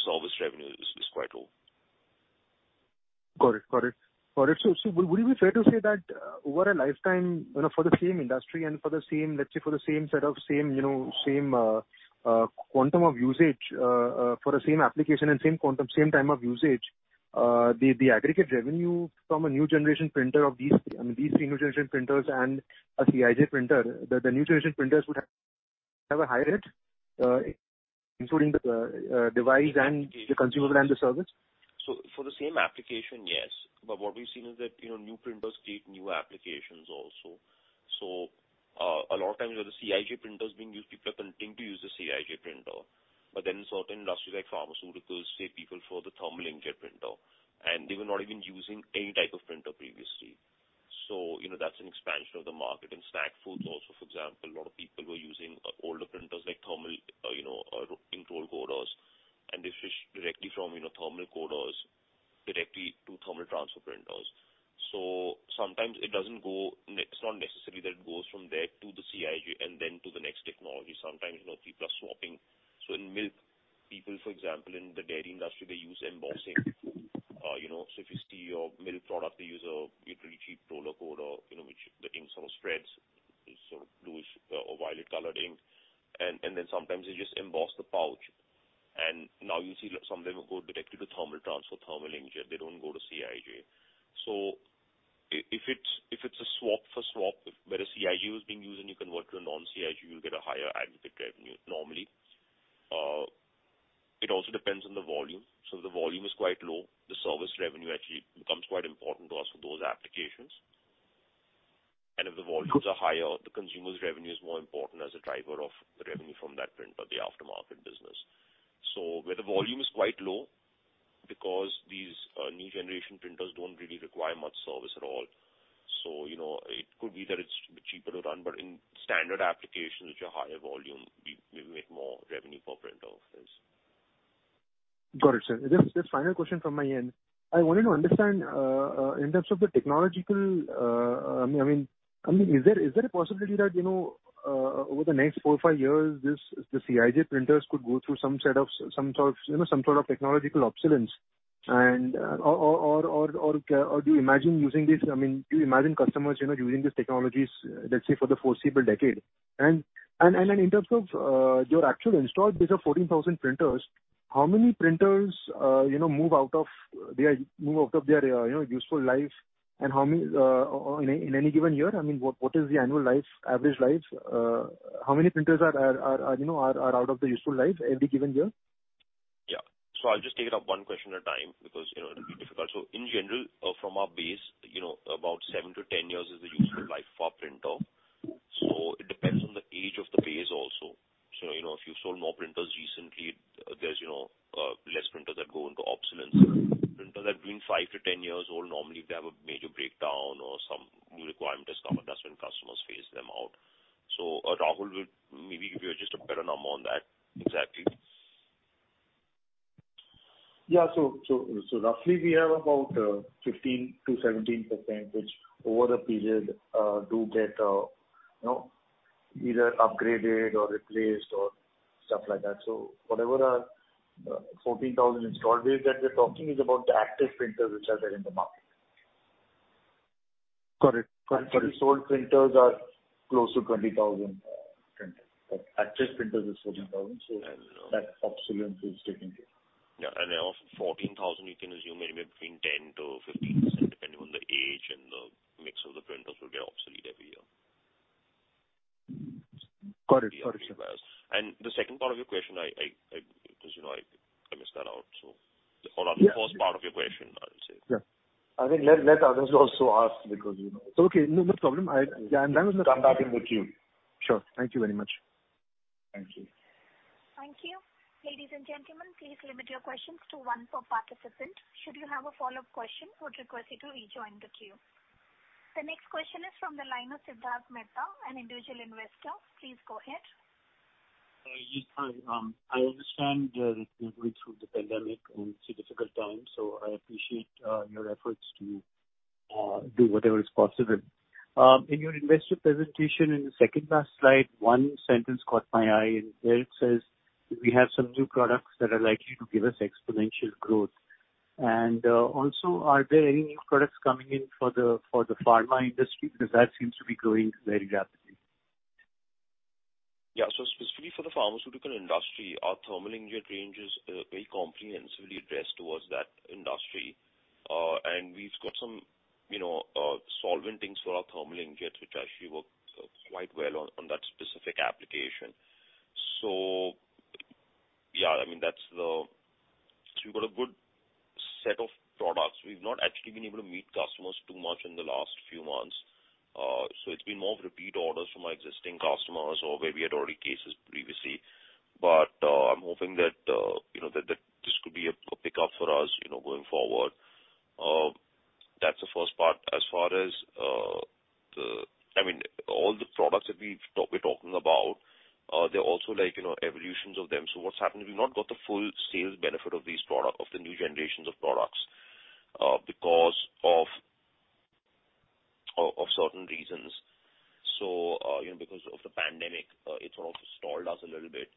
Service revenue is quite low. Got it. Would it be fair to say that over a lifetime, for the same industry and for the same quantum of usage, for the same application and same quantum, same time of usage, the aggregate revenue from these three new generation printers and a CIJ printer, the new generation printers would have a higher hit, including the device and the consumable and the service? For the same application, yes. What we've seen is that new printers create new applications also. A lot of times, where the CIJ printer is being used, people continue to use the CIJ printer. But in certain industries like pharmaceuticals, say, people for the thermal inkjet printer, and they were not even using any type of printer previously. That's an expansion of the market. In snack foods also, for example, a lot of people were using older printers like ink roll coders, and they shift directly from thermal coders directly to thermal transfer printers. Sometimes it's not necessary that it goes from there to the CIJ and then to the next technology. Sometimes people are swapping. In milk, people, for example, in the dairy industry, they use embossing. If you see your milk product, they use a really cheap roller coder, which the ink sort of spreads. The sort of blueish or violet colored ink. Sometimes they just emboss the pouch. You see some of them go directly to thermal transfer, thermal inkjet. They do not go to CIJ. If it is a swap for swap, where a CIJ was being used and you convert to a non-CIJ, you will get a higher aggregate revenue, normally. It also depends on the volume. If the volume is quite low, the service revenue actually becomes quite important to us for those applications. If the volumes are higher, the consumer's revenue is more important as a driver of the revenue from that printer, the aftermarket business. Where the volume is quite low, because these new generation printers do not really require much service at all. It could be that it's cheaper to run, but in standard applications, which are higher volume, we make more revenue per printer. Got it, sir. Just final question from my end. I wanted to understand, in terms of the technological, is there a possibility that, over the next four or five years, the CIJ printers could go through some sort of technological obsolescence? Do you imagine customers using these technologies, let's say, for the foreseeable 10 years? In terms of your actual installed base of 14,000 printers, how many printers move out of their useful life? In any given year, what is the annual average life? How many printers are out of their useful life every given year? Yeah. I'll just take it up one question at a time because it'll be difficult. In general, from our base, about 7-10 years is the useful life of our printer. It depends on the age of the base also. If you've sold more printers recently, there's less printers that go into obsolescence. Printers that are between 5-10 years old, normally, if they have a major breakdown or some new requirement discovered, that's when customers phase them out. Rahul will maybe give you just a better number on that exactly. Yeah. Roughly we have about 15%-17%, which over the period, do get either upgraded or replaced or stuff like that. Whatever our 14,000 installed base that we're talking is about the active printers which are there in the market. Correct. Actually sold printers are close to 20,000 printers, but active printers is 14,000. That obsolescence is taken care of. Yeah. Out of 14,000, you can assume anywhere between 10%-15%, depending on the age and the mix of the printers, will get obsolete every year. Got it, sir. The second part of your question, I missed that out. The first part of your question, I would say. I think let others also ask because. Okay. No, no problem. Come back in the queue. Sure. Thank you very much. Thank you. Thank you. Ladies and gentlemen, please limit your questions to one per participant. Should you have a follow-up question, I would request you to rejoin the queue. The next question is from the line of Siddharth Mehta, an individual investor. Please go ahead. Yes, hi. I understand that we're going through the pandemic and it's a difficult time, so I appreciate your efforts to do whatever is possible. In your investor presentation in the second last slide, one sentence caught my eye, and there it says, "We have some new products that are likely to give us exponential growth." Are there any new products coming in for the pharma industry? That seems to be growing very rapidly. Yeah. Specifically for the pharmaceutical industry, our thermal inkjet range is very comprehensively addressed towards that industry. We've got some solvent inks for our thermal inkjets, which actually work quite well on that specific application. Yeah, we've got a good set of products. We've not actually been able to meet customers too much in the last few months. It's been more of repeat orders from our existing customers or where we had already cases previously. I'm hoping that this could be a pickup for us going forward. That's the first part. As far as all the products that we're talking about, they're also evolutions of them. What's happened is we've not got the full sales benefit of these products, of the new generations of products because of certain reasons. Because of the pandemic, it sort of stalled us a little bit.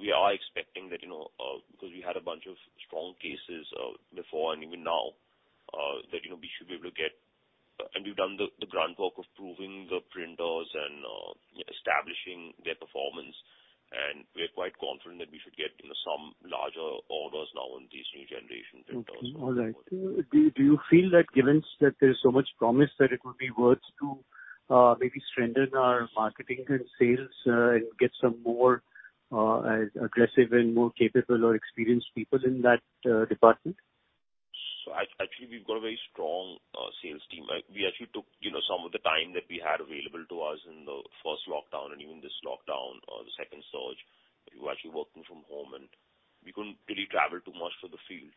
We are expecting that, because we had a bunch of strong cases before and even now, that we should be able to get, and we've done the groundwork of proving the printers and establishing their performance, and we're quite confident that we should get some larger orders now on these new generation printers. Okay. All right. Do you feel that given that there's so much promise, that it would be worth to maybe strengthen our marketing and sales and get some more aggressive and more capable or experienced people in that department? Actually, we've got a very strong sales team. We actually took some of the time that we had available to us in the first lockdown and even this lockdown, the second surge, we were actually working from home, and we couldn't really travel too much for the field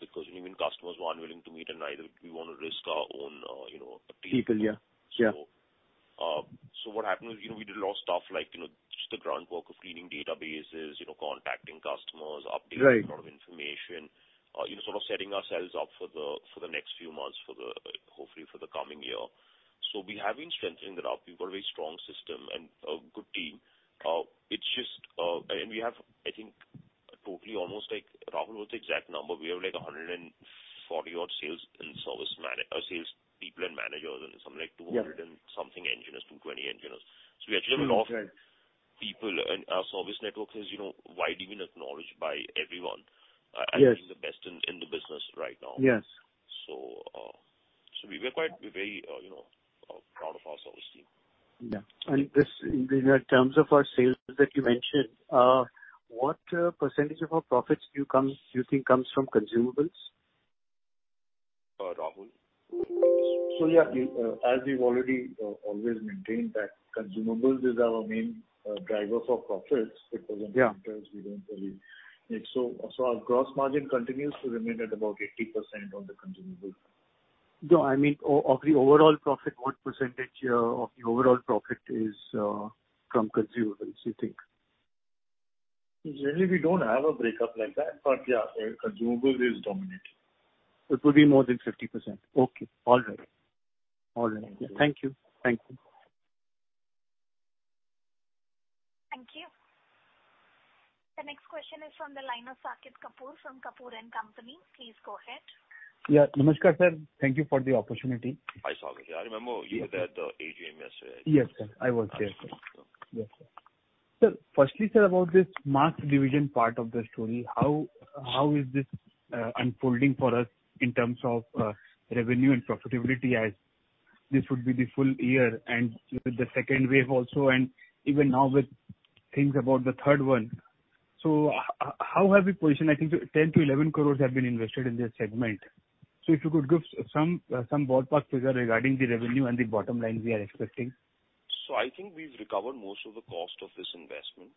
because even customers were unwilling to meet and neither would we want to risk our own team. People, yeah. What happened is we did a lot of stuff like just the groundwork of cleaning databases, contacting customers. Right Updating a lot of information, sort of setting ourselves up for the next few months, hopefully for the coming year. We have been strengthening that up. We've got a very strong system and a good team. We have, I think, totally almost like, Rahul, what's the exact number? We have 140 odd sales people and managers. Yeah. 200 and something engineers, 220 engineers. We actually have a lot of-. Right. People, and our service network is widely being acknowledged by everyone. Yes As being the best in the business right now. Yes. We're very proud of our service team. Yeah. In terms of our sales that you mentioned, what percentage of our profits do you think comes from consumables? Rahul? Yeah, as we've already always maintained that consumables is our main driver for profits. Yeah Our gross margin continues to remain at about 80% on the consumables. No, I mean, of the overall profit, what percentage of the overall profit is from consumables, you think? Generally, we don't have a breakup like that, but yeah, consumable is dominating. It will be more than 50%. Okay. All right. Thank you. Thank you. The next question is from the line of Saket Kapoor from Kapoor & Company. Please go ahead. Yeah. Namaskar, sir. Thank you for the opportunity. Hi, Saket. I remember you were at the AGM, yes. Yes, sir. I was there. Okay. Yes, sir. Firstly, sir, about this mask division part of the story, how is this unfolding for us in terms of revenue and profitability as this would be the full year and with the second wave also and even now with things about the third one? How have we positioned, I think 10 crore-11 crores have been invested in this segment. If you could give some ballpark figure regarding the revenue and the bottom line we are expecting. I think we've recovered most of the cost of this investment.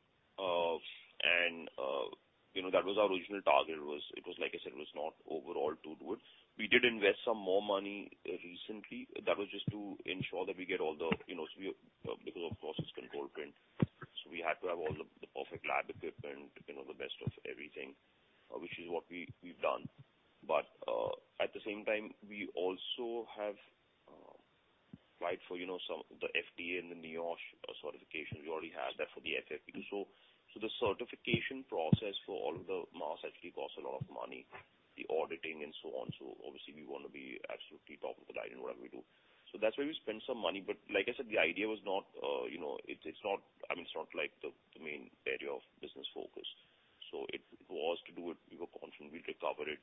That was our original target, like I said, it was not overall to do it. We did invest some more money recently. That was just to ensure that. Because, of course, it's Control Print, so we had to have all the perfect lab equipment, the best of everything, which is what we've done. At the same time, we also have applied for the FDA and the NIOSH certification. We already have that for the FFPs. The certification process for all of the masks actually costs a lot of money, the auditing and so on. Obviously we want to be absolutely top of the line in whatever we do. That's why we spent some money. Like I said, the idea was not, it's not like the main area of business focus. It was to do it. We were confident we'll recover it.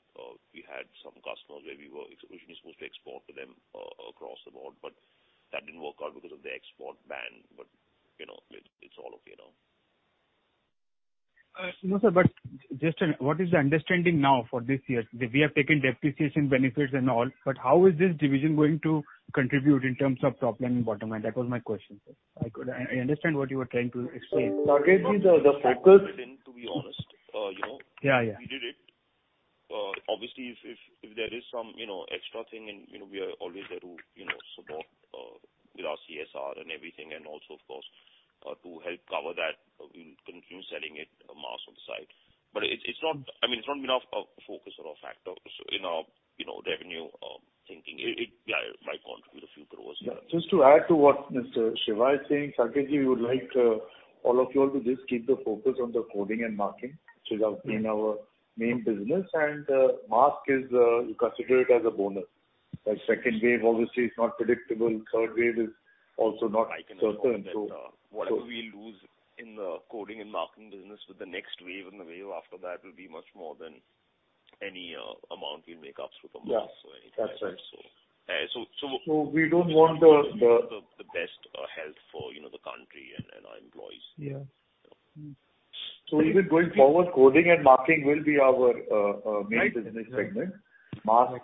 We had some customers where we were initially supposed to export to them across the board, that didn't work out because of the export ban, it's all okay now. No, sir, just what is the understanding now for this year? We have taken depreciation benefits and all, how is this division going to contribute in terms of top line and bottom line? That was my question, sir. I understand what you were trying to explain. Saket this are the factors. To be honest. Yeah. We did it. Obviously, if there is some extra thing, we are always there to support with our CSR and everything, and also, of course, to help cover that. We'll continue selling it, masks on the side. It's not been our focus or our factor in our revenue thinking. It might contribute a few crores. Just to add to what Mr. Shiva is saying, Saket, we would like all of you all to just keep the focus on the coding and marking, which has been our main business, and mask is considered as a bonus. That second wave, obviously, is not predictable. Third wave is also not certain. I can assure that whatever we lose in the coding and marking business with the next wave and the wave after that will be much more than any amount we make up through the mask or anything like that. Yeah. That's right. We don't want. The best health for the country and our employees. Yeah. Even going forward, coding and marking will be our main business segment. Mask,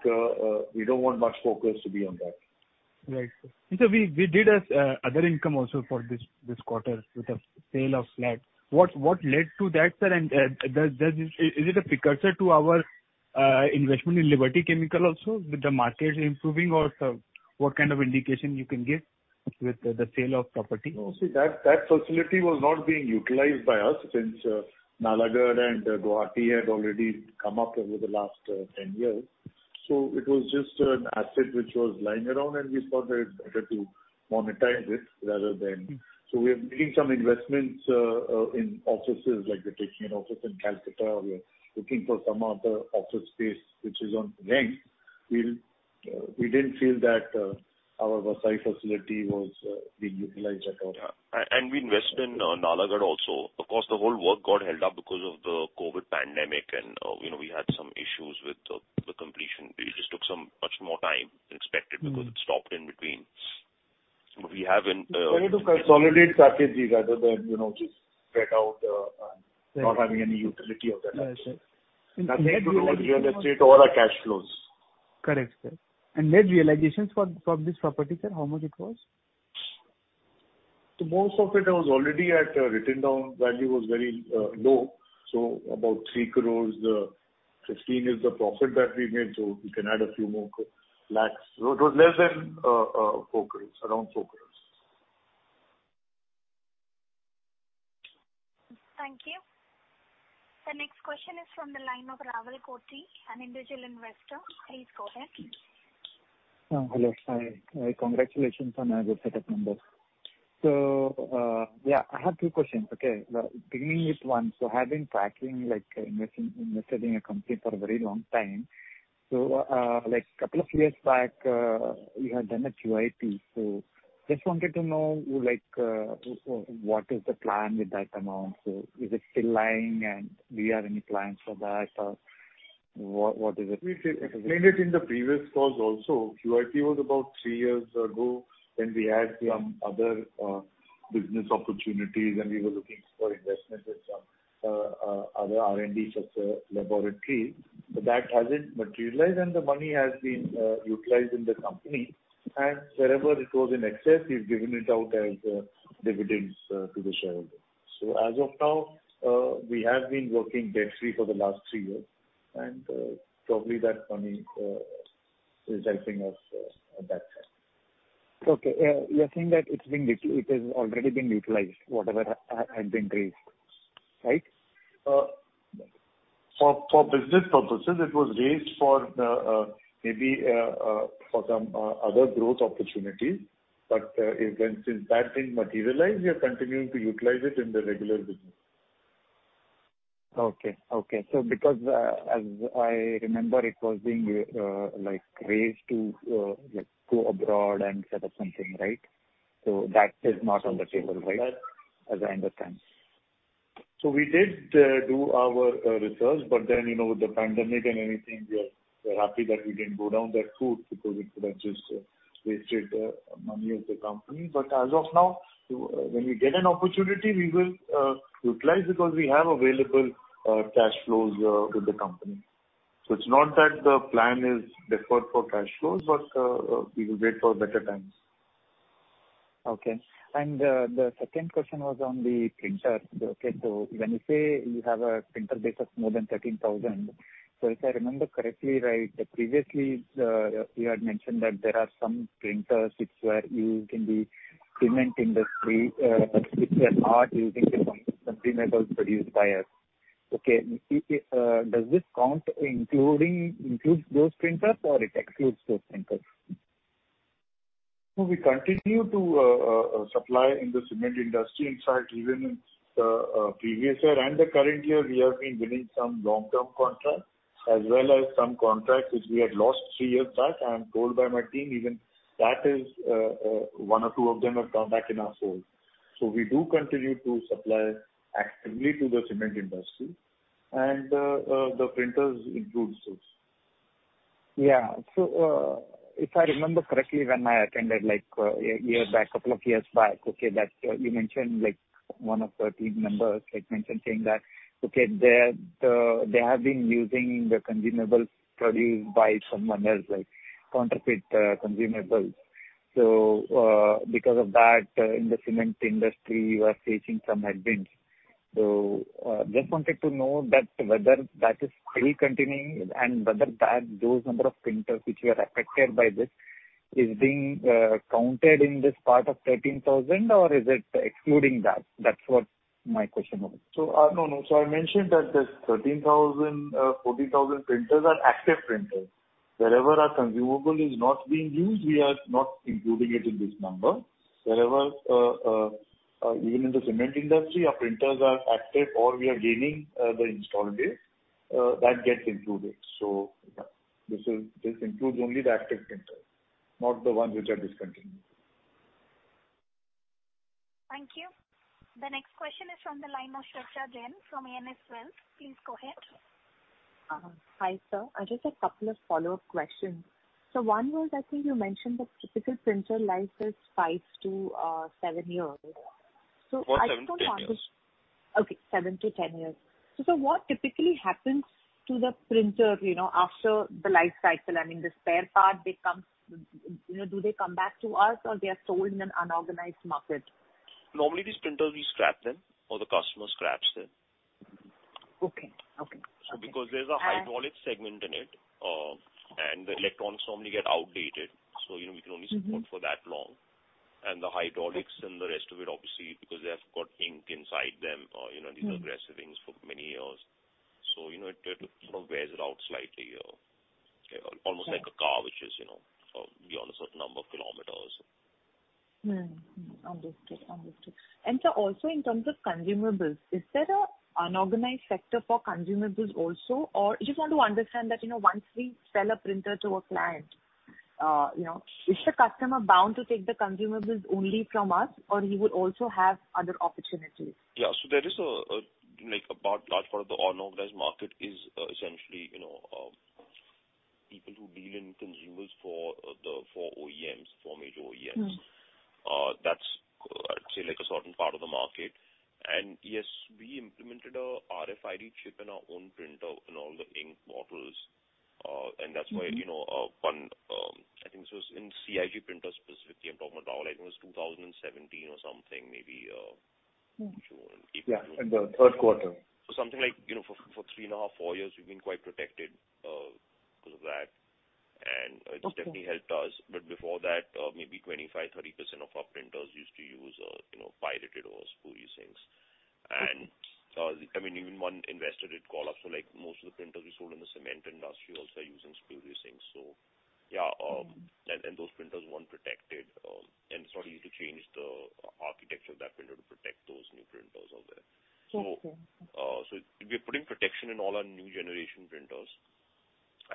we don't want much focus to be on that. Right. We did other income also for this quarter with the sale of flat. What led to that, sir, and is it a precursor to our investment in Liberty Chemicals also, with the market improving or what kind of indication you can give? With the sale of property? No. See, that facility was not being utilized by us since Nalagarh and Guwahati had already come up over the last 10 years. It was just an asset which was lying around, and we thought that it was better to monetize it. We are making some investments in offices, like we're taking an office in Calcutta. We are looking for some other office space which is on rent. We didn't feel that our Vasai facility was being utilized at all. Yeah. We invest in Nalagarh also. Of course, the whole work got held up because of the COVID pandemic and we had some issues with the completion. It just took much more time than expected because it stopped in between. We're trying to consolidate strategies rather than just spread out and not having any utility of that asset. Yes, sir. Nothing to do with real estate or our cash flows. Correct, sir. And net realizations from this property, sir, how much it was? Most of it was already at written down value, was very low. About 3 crores the 15 crores is the profit that we made. We can add a few more lakhs. It was less than 4 crores, around 4 crores. Thank you. The next question is from the line of Rahul Koti, an individual investor. Please go ahead. Hello, sir. Congratulations on your good set of numbers. I have two questions, okay? Beginning with one, I have been tracking, investing in your company for a very long time. A couple of years back, you had done a QIP. Just wanted to know what is the plan with that amount? Is it still lying and do you have any plans for that? Or what is it? We explained it in the previous calls also. QIP was about three years ago, when we had some other business opportunities, and we were looking for investment in some other R&D such laboratory. That hasn't materialized, and the money has been utilized in the company. Wherever it was in excess, we've given it out as dividends to the shareholders. As of now, we have been working debt-free for the last three years, and probably that money is helping us at that time. Okay. You're saying that it has already been utilized, whatever had been raised, right? For business purposes, it was raised maybe for some other growth opportunities. Since that didn't materialize, we are continuing to utilize it in the regular business. Okay. Because as I remember, it was being raised to go abroad and set up something, right? That is not on the table right now as I understand. We did do our research, with the pandemic and everything, we are happy that we didn't go down that route because it could have just wasted money of the company. As of now, when we get an opportunity, we will utilize it because we have available cash flows with the company. It's not that the plan is deferred for cash flows, but we will wait for better times. The second question was on the printer. When you say you have a printer base of more than 13,000, if I remember correctly, previously you had mentioned that there are some printers which were used in the cement industry, which were not using the consumables produced by us. Does this include those printers, or it excludes those printers? We continue to supply in the cement industry. In fact, even in the previous year and the current year, we have been winning some long-term contracts as well as some contracts which we had lost three years back. I am told by my team, even one or two of them have come back in our fold. We do continue to supply actively to the cement industry, and the printers includes those. Yeah. If I remember correctly, when I attended a couple of years back, you mentioned, one of the team members mentioned that they have been using the consumables produced by someone else, like counterfeit consumables. Because of that, in the cement industry, you are facing some headwinds. Just wanted to know whether that is still continuing and whether those number of printers which were affected by this is being counted in this part of 13,000, or is it excluding that? That's what my question was. No. I mentioned that these 13,000, 14,000 printers are active printers. Wherever our consumable is not being used, we are not including it in this number. Wherever, even in the cement industry, our printers are active or we are gaining the install base, that gets included. This includes only the active printers, not the ones which are discontinued. Thank you. The next question is from the line of Shweta Jain from ANS Wealth. Please go ahead. Hi, sir. Just a couple of follow-up questions. One was, I think you mentioned the typical printer life is 5-7 years. Four, 7-10 years. Okay, 7-10 years. What typically happens to the printer after the life cycle? I mean, the spare part, do they come back to us, or they are sold in an unorganized market? Normally these printers, we scrap them, or the customer scraps them. Okay. Because there's a hydraulic segment in it, the electronics normally get outdated, we can only support for that long. The hydraulics and the rest of it, obviously, because they have got ink inside them, these aggressive inks for many years. It sort of wears it out slightly here, almost like a car which is beyond a certain number of kilometers. Understood. Sir, also in terms of consumables, is there an unorganized sector for consumables also? I just want to understand that, once we sell a printer to a client, is the customer bound to take the consumables only from us or he would also have other opportunities? Yeah. There is a large part of the unorganized market is essentially, people who deal in consumables for OEMs, for major OEMs. That's, I'd say, a certain part of the market. Yes, we implemented a RFID chip in our own printer in all the ink bottles. That's why one, I think this was in CIJ printers specifically I'm talking about now, I think it was 2017 or something, maybe. Yeah, in the third quarter. Something like, for three and a half, four years, we've been quite protected, because of that, and it's definitely helped us. Before that, maybe 25%, 30% of our printers used to use pirated or spurious inks. Even one investor did call us for most of the printers we sold in the cement industry also are using spurious ink. Yeah, and those printers weren't protected, and it's not easy to change the architecture of that printer to protect those new printers out there. Okay. We're putting protection in all our new generation printers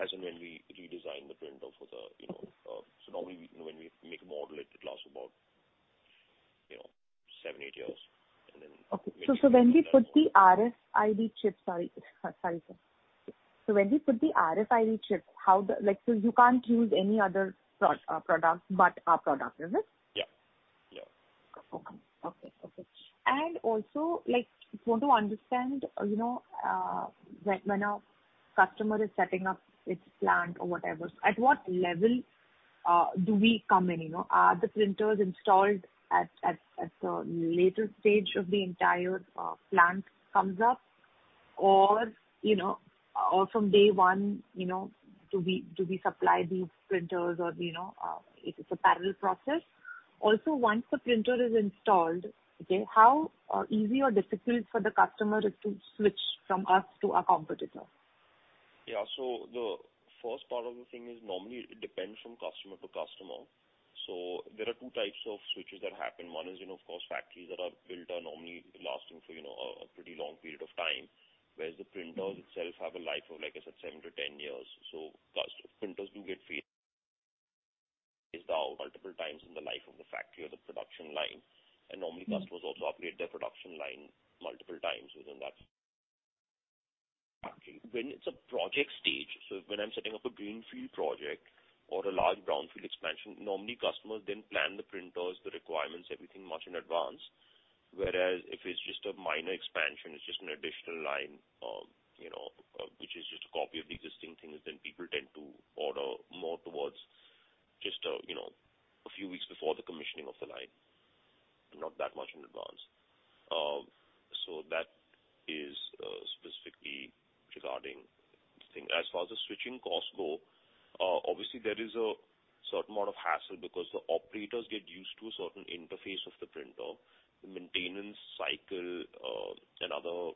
as and when we redesign the printer. Normally, when we make a model, it could last about 7-8 years. Okay. When we put the RFID chip, so you can't use any other product but our product, is it? Yes. Okay. Also, just want to understand, when a customer is setting up its plant or whatever, at what level do we come in? Are the printers installed as the later stage of the entire plant comes up or from day one do we supply these printers or it is a parallel process? Also, once the printer is installed, how easy or difficult for the customer is to switch from us to our competitor? Yeah. The first part of the thing is normally it depends from customer to customer. There are two types of switches that happen. One is, of course, factories that are built are normally lasting for a pretty long period of time, whereas the printers itself have a life of, like I said, 7-10 years. Printers do get phased out multiple times in the life of the factory or the production line. Normally, customers also upgrade their production line multiple times within that factory. When it's a project stage, so when I'm setting up a greenfield project or a large brownfield expansion, normally customers then plan the printers, the requirements, everything much in advance. Whereas if it's just a minor expansion, it's just an additional line which is just a copy of the existing things, then people tend to order more towards just a few weeks before the commissioning of the line, not that much in advance. That is specifically regarding this thing. As far as the switching costs go, obviously there is a certain amount of hassle because the operators get used to a certain interface of the printer. The maintenance cycle, and other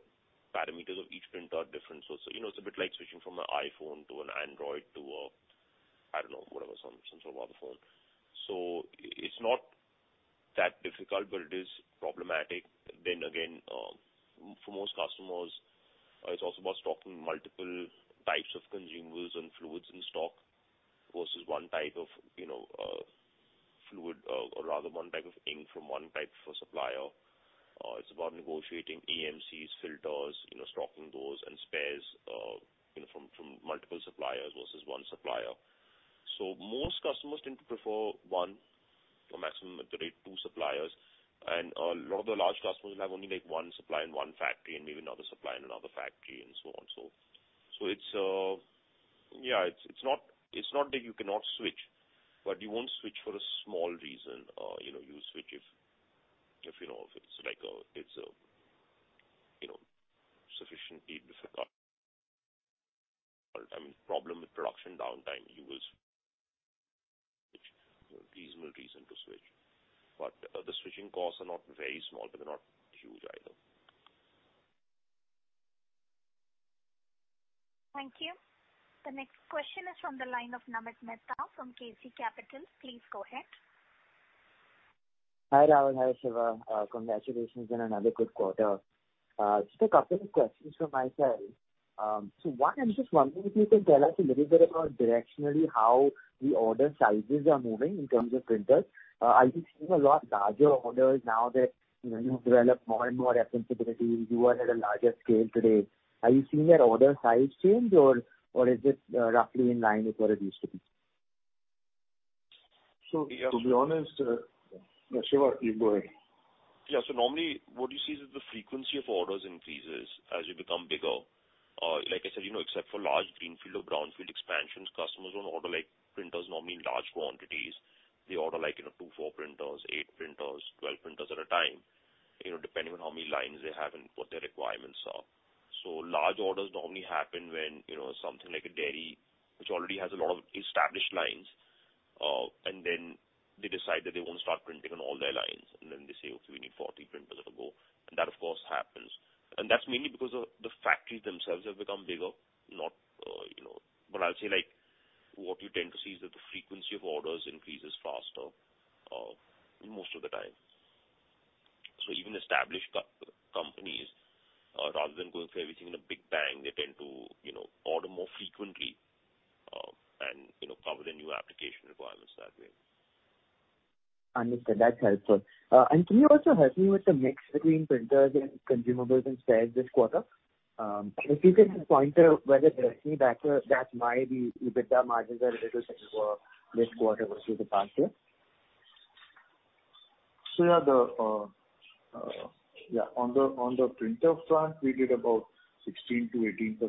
parameters of each printer are different. It's a bit like switching from an iPhone to an Android to, I don't know, some sort of other phone. It's not that difficult, but it is problematic. Again, for most customers, it's also about stocking multiple types of consumables and fluids in stock versus one type of fluid, or rather one type of ink from one type of supplier. It's about negotiating AMCs, filters, stocking those and spares from multiple suppliers versus one supplier. Most customers tend to prefer one or maximum at the rate two suppliers. A lot of the large customers will have only one supplier in one factory and maybe another supplier in another factory and so on. It's not that you cannot switch, but you won't switch for a small reason. You'll switch if it's sufficiently difficult. Problem with production downtime, you will switch. Reasonable reason to switch. The switching costs are not very small, but they're not huge either. Thank you. The next question is from the line of Namit Mehta from KC Capital. Please go ahead. Hi, Rahul. Hi, Shiva. Congratulations on another good quarter. Just a couple of questions from my side. One, I'm just wondering if you can tell us a little bit about directionally how the order sizes are moving in terms of printers. Are you seeing a lot larger orders now that you've developed more and more recognizability, you are at a larger scale today. Are you seeing that order size change or is it roughly in line with what it used to be? Shiva, please go ahead. Yeah. Normally, what you see is that the frequency of orders increases as you become bigger. Like I said, except for large greenfield or brownfield expansions, customers don't order printers normally in large quantities. They order two, four printers, eight printers, 12 printers at a time, depending on how many lines they have and what their requirements are. Large orders normally happen when something like a dairy, which already has a lot of established lines, and then they decide that they want to start printing on all their lines, and then they say, "Okay, we need 40 printers to go." That, of course, happens. That's mainly because the factories themselves have become bigger. I'll say what you tend to see is that the frequency of orders increases faster most of the time. Even established companies, rather than going for everything in a big bang, they tend to order more frequently, and cover the new application requirements that way. Understood. That's helpful. Can you also help me with the mix between printers and consumables and spares this quarter? If you can just point out whether there's any backward that might be, EBITDA margins are a little bit lower this quarter versus the past year. Sure. On the printer front, we did about 16%-18%.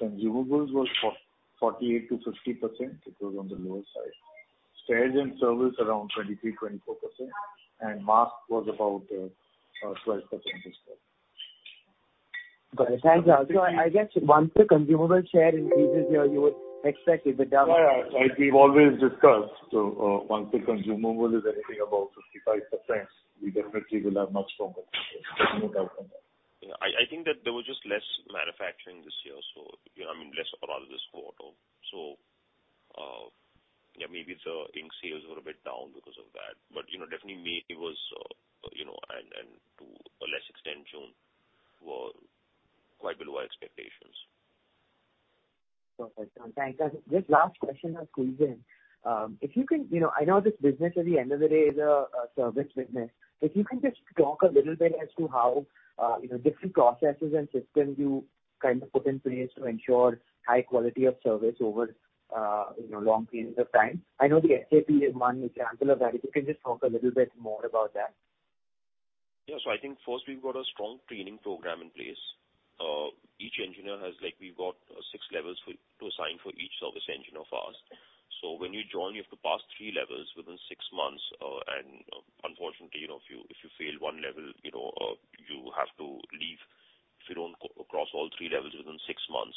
Consumables was 48%-50%, it was on the lower side. Spares and service around 23%-24%. Mask was about 12% this quarter. Got it. Thanks. I guess once the consumable share increases here, you would expect EBITDA- Yeah. Like we've always discussed, once the consumable is anything above 55%, we definitely will have much stronger EBITDA from that. I think that there was just less manufacturing this year, so less overall this quarter. Maybe the ink sales were a bit down because of that. Definitely May and to a lesser extent, June, were quite below expectations. Perfect. Thanks. Just last question on Gir. I know this business at the end of the day is a service business. If you can just talk a little bit as to how different processes and systems you put in place to ensure high quality of service over long periods of time. I know the SAP is one example of that. If you can just talk a little bit more about that. Yeah. I think first we've got a strong training program in place. We've got six levels to assign for each service engineer for us. When you join, you have to pass three levels within six months. Unfortunately, if you fail one level, you have to leave if you don't cross all three levels within six months.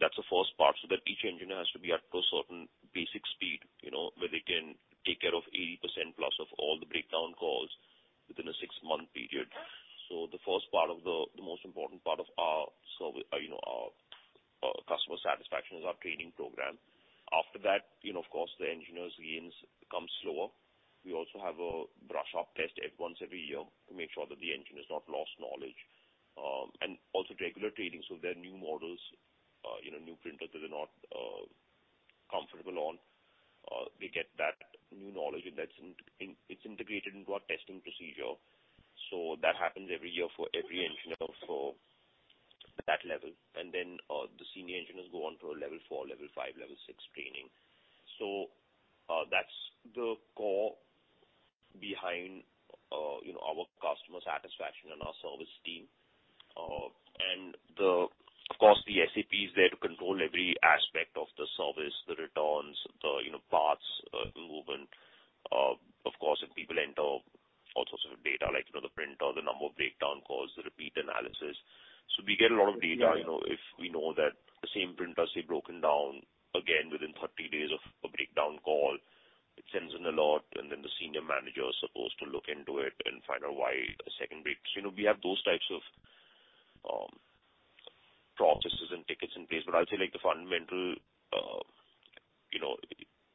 That's the first part, so that each engineer has to be up to a certain basic speed, where they can take care of 80%+ of all the breakdown calls within a six-month period. The most important part of our customer satisfaction is our training program. After that, of course, the engineer's gains become slower. We also have a brush-up test once every year to make sure that the engineer has not lost knowledge. Also regular training, so if there are new models, new printers that they're not comfortable on, they get that new knowledge, and it's integrated into our testing procedure. That happens every year for every engineer for that level. The senior engineers go on to a Level 4, Level 5, Level 6 training. That's the core behind our customer satisfaction and our service team. Of course, the SAP is there to control every aspect of the service, the returns, the parts movement. Of course, if people enter all sorts of data, like the printer, the number of breakdown calls, the repeat analysis. We get a lot of data. If we know that the same printer's broken down again within 30 days of a breakdown call, it sends an alert, and then the senior manager is supposed to look into it and find out. We have those types of processes and tickets in place. I'll say the fundamental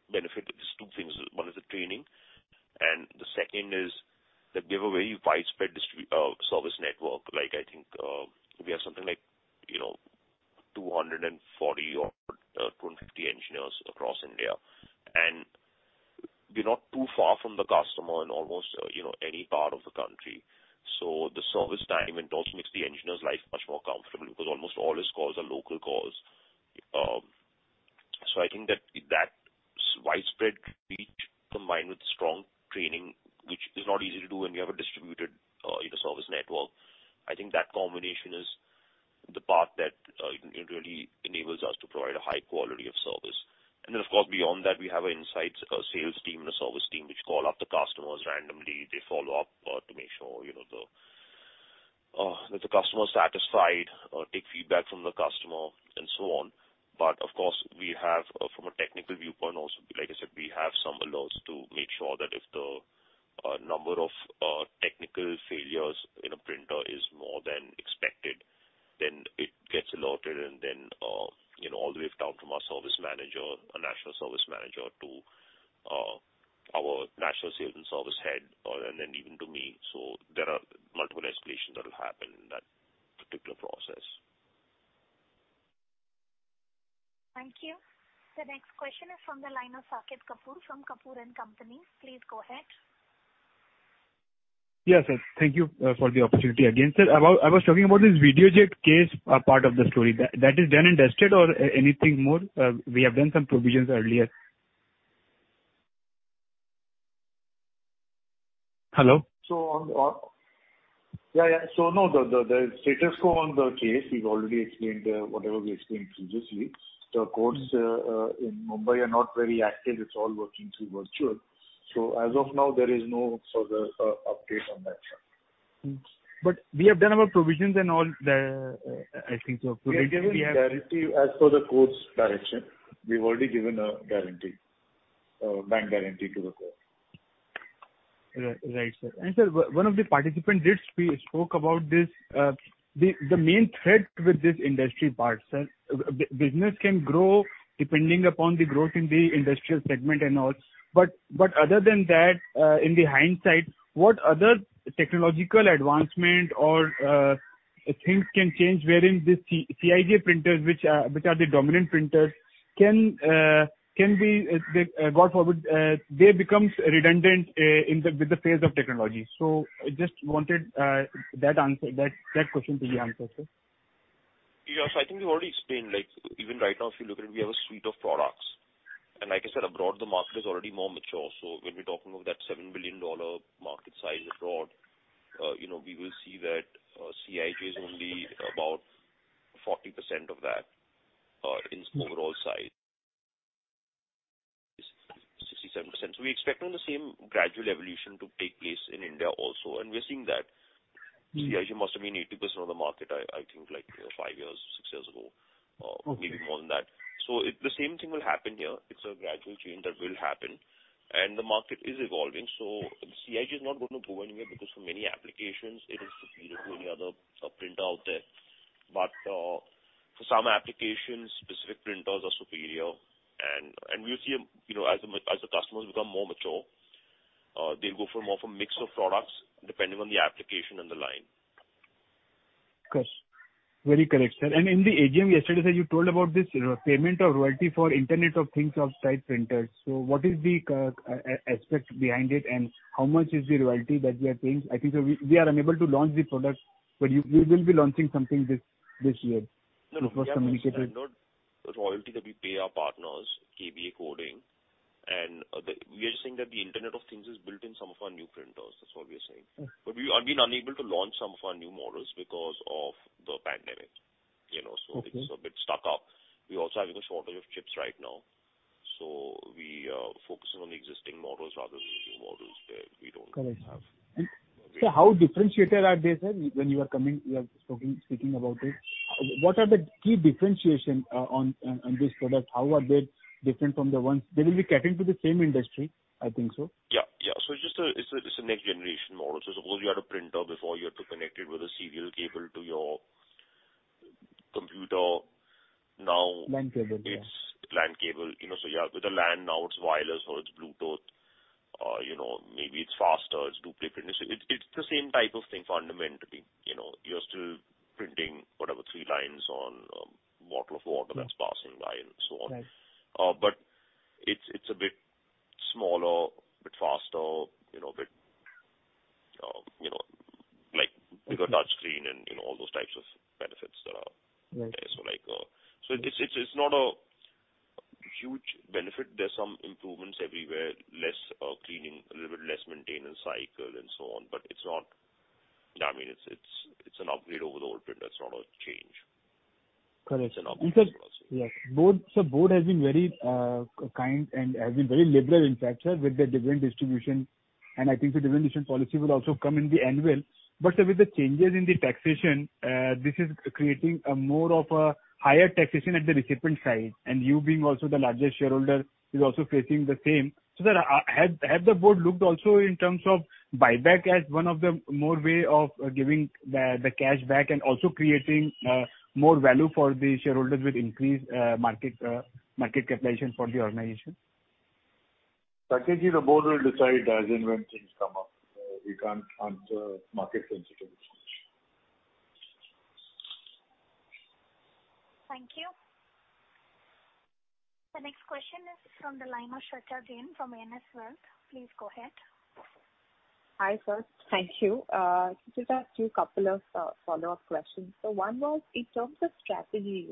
benefit is two things. One is the training, and the second is that we have a very widespread service network. I think we have something like 240 or 250 engineers across India, and we're not too far from the customer in almost any part of the country. The service time, it also makes the engineer's life much more comfortable because almost all his calls are local calls. I think that widespread reach combined with strong training, which is not easy to do when you have a distributed service network, I think that combination is the part that really enables us to provide a high quality of service. Of course, beyond that, we have an inside sales team and a service team which call up the customers randomly. They follow up to make sure that the customer is satisfied, take feedback from the customer, and so on. Of course, from a technical viewpoint also, like I said, we have some alerts to make sure that if the number of technical failures in a printer is more than expected, then it gets alerted, and then all the way down from our service manager, a national service manager, to our national sales and service head, and then even to me. There are multiple escalations that will happen in that particular process. Thank you. The next question is from the line of Saket Kapoor from Kapoor & Company. Please go ahead. Yes, sir. Thank you for the opportunity again. Sir, I was talking about this Videojet case part of the story. That is done and dusted, or anything more? We have done some provisions earlier. Hello. Yeah. No, the status quo on the case, we've already explained whatever we explained previously. The courts in Mumbai are not very active. It's all working through virtual. As of now, there is no further update on that front. We have done our provisions and all, I think so. We have given guarantee as per the court's direction. We've already given a guarantee, a bank guarantee to the court. Right, sir. Sir, one of the participants did spoke about this. The main threat with this industry part, sir, business can grow depending upon the growth in the industrial segment and all, but other than that, in the hindsight, what other technological advancement or things can change wherein this CIJ printers, which are the dominant printers, God forbid, they become redundant with the phase of technology. Just wanted that question to be answered, sir. I think we already explained, even right now, if you look at it, we have a suite of products. Like I said, abroad, the market is already more mature. When we're talking of that $7 billion market size abroad, we will see that CIJ is only about 40% of that in its overall size. 67%. We're expecting the same gradual evolution to take place in India also, and we're seeing that CIJ must have been 80% of the market, I think five years, six years ago, maybe more than that. The same thing will happen here. It's a gradual change that will happen, and the market is evolving. CIJ is not going to go anywhere because for many applications, it is superior to any other printer out there. For some applications, specific printers are superior, and we see as the customers become more mature, they'll go for more of a mix of products depending on the application and the line. Of course. Very correct, sir. In the AGM yesterday, sir, you told about this payment of royalty for Internet of Things off-site printers. What is the aspect behind it, and how much is the royalty that we are paying? I think we are unable to launch the product, but you will be launching something this year. We have to understand, not royalty that we pay our partners, KBA-Metronic, and we are just saying that the Internet of Things is built in some of our new printers. That's all we are saying. We've been unable to launch some of our new models because of the pandemic. It's a bit stuck up. We're also having a shortage of chips right now, so we are focusing on the existing models rather than the new models that we don't have. Correct. Sir, how differentiated are they, sir? When you are speaking about it, what are the key differentiation on this product? How are they different from the ones? They will be catering to the same industry, I think so. Yeah. It's a next generation model. Suppose you had a printer before, you had to connect it with a serial cable to your computer. LAN cable, yeah. it's LAN cable. Yeah, with the LAN, now it's wireless or it's Bluetooth, maybe it's faster, it's duplex printing. It's the same type of thing fundamentally. You're still printing, whatever, three lines on a bottle of water that's passing by and so on. Right. It's a bit smaller, a bit faster, with a touch screen and all those types of benefits that are there. Right. It's not a huge benefit. There are some improvements everywhere, less cleaning, a little bit less maintenance cycle, and so on. It's an upgrade over the old printer. It's not a change. Correct, sir. It's an optimization process. Sir, Board has been very kind and has been very liberal, in fact, sir, with the dividend distribution. I think the dividend distribution policy will also come in the annual. Sir, with the changes in the taxation, this is creating a more of a higher taxation at the recipient side, and you being also the largest shareholder, is also facing the same. Sir, have the board looked also in terms of buyback as one of the more way of giving the cash back and also creating more value for the shareholders with increased market capitalization for the organization? Strategy, the board will decide as and when things come up. We can't answer market-sensitive questions. Thank you. The next question is from the line of Shweta Jain from ANS Wealth. Please go ahead. Hi, sir. Thank you. Just a few couple of follow-up questions. One was in terms of strategy,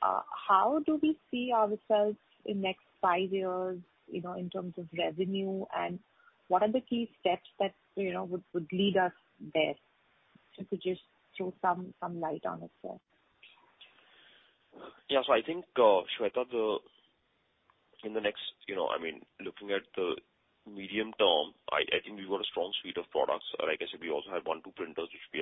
how do we see ourselves in next five years, in terms of revenue, and what are the key steps that would lead us there? If you could just throw some light on it, sir. I think, Shweta, looking at the medium term, I think we've got a strong suite of products. Like I said, we also have one, two printers, which we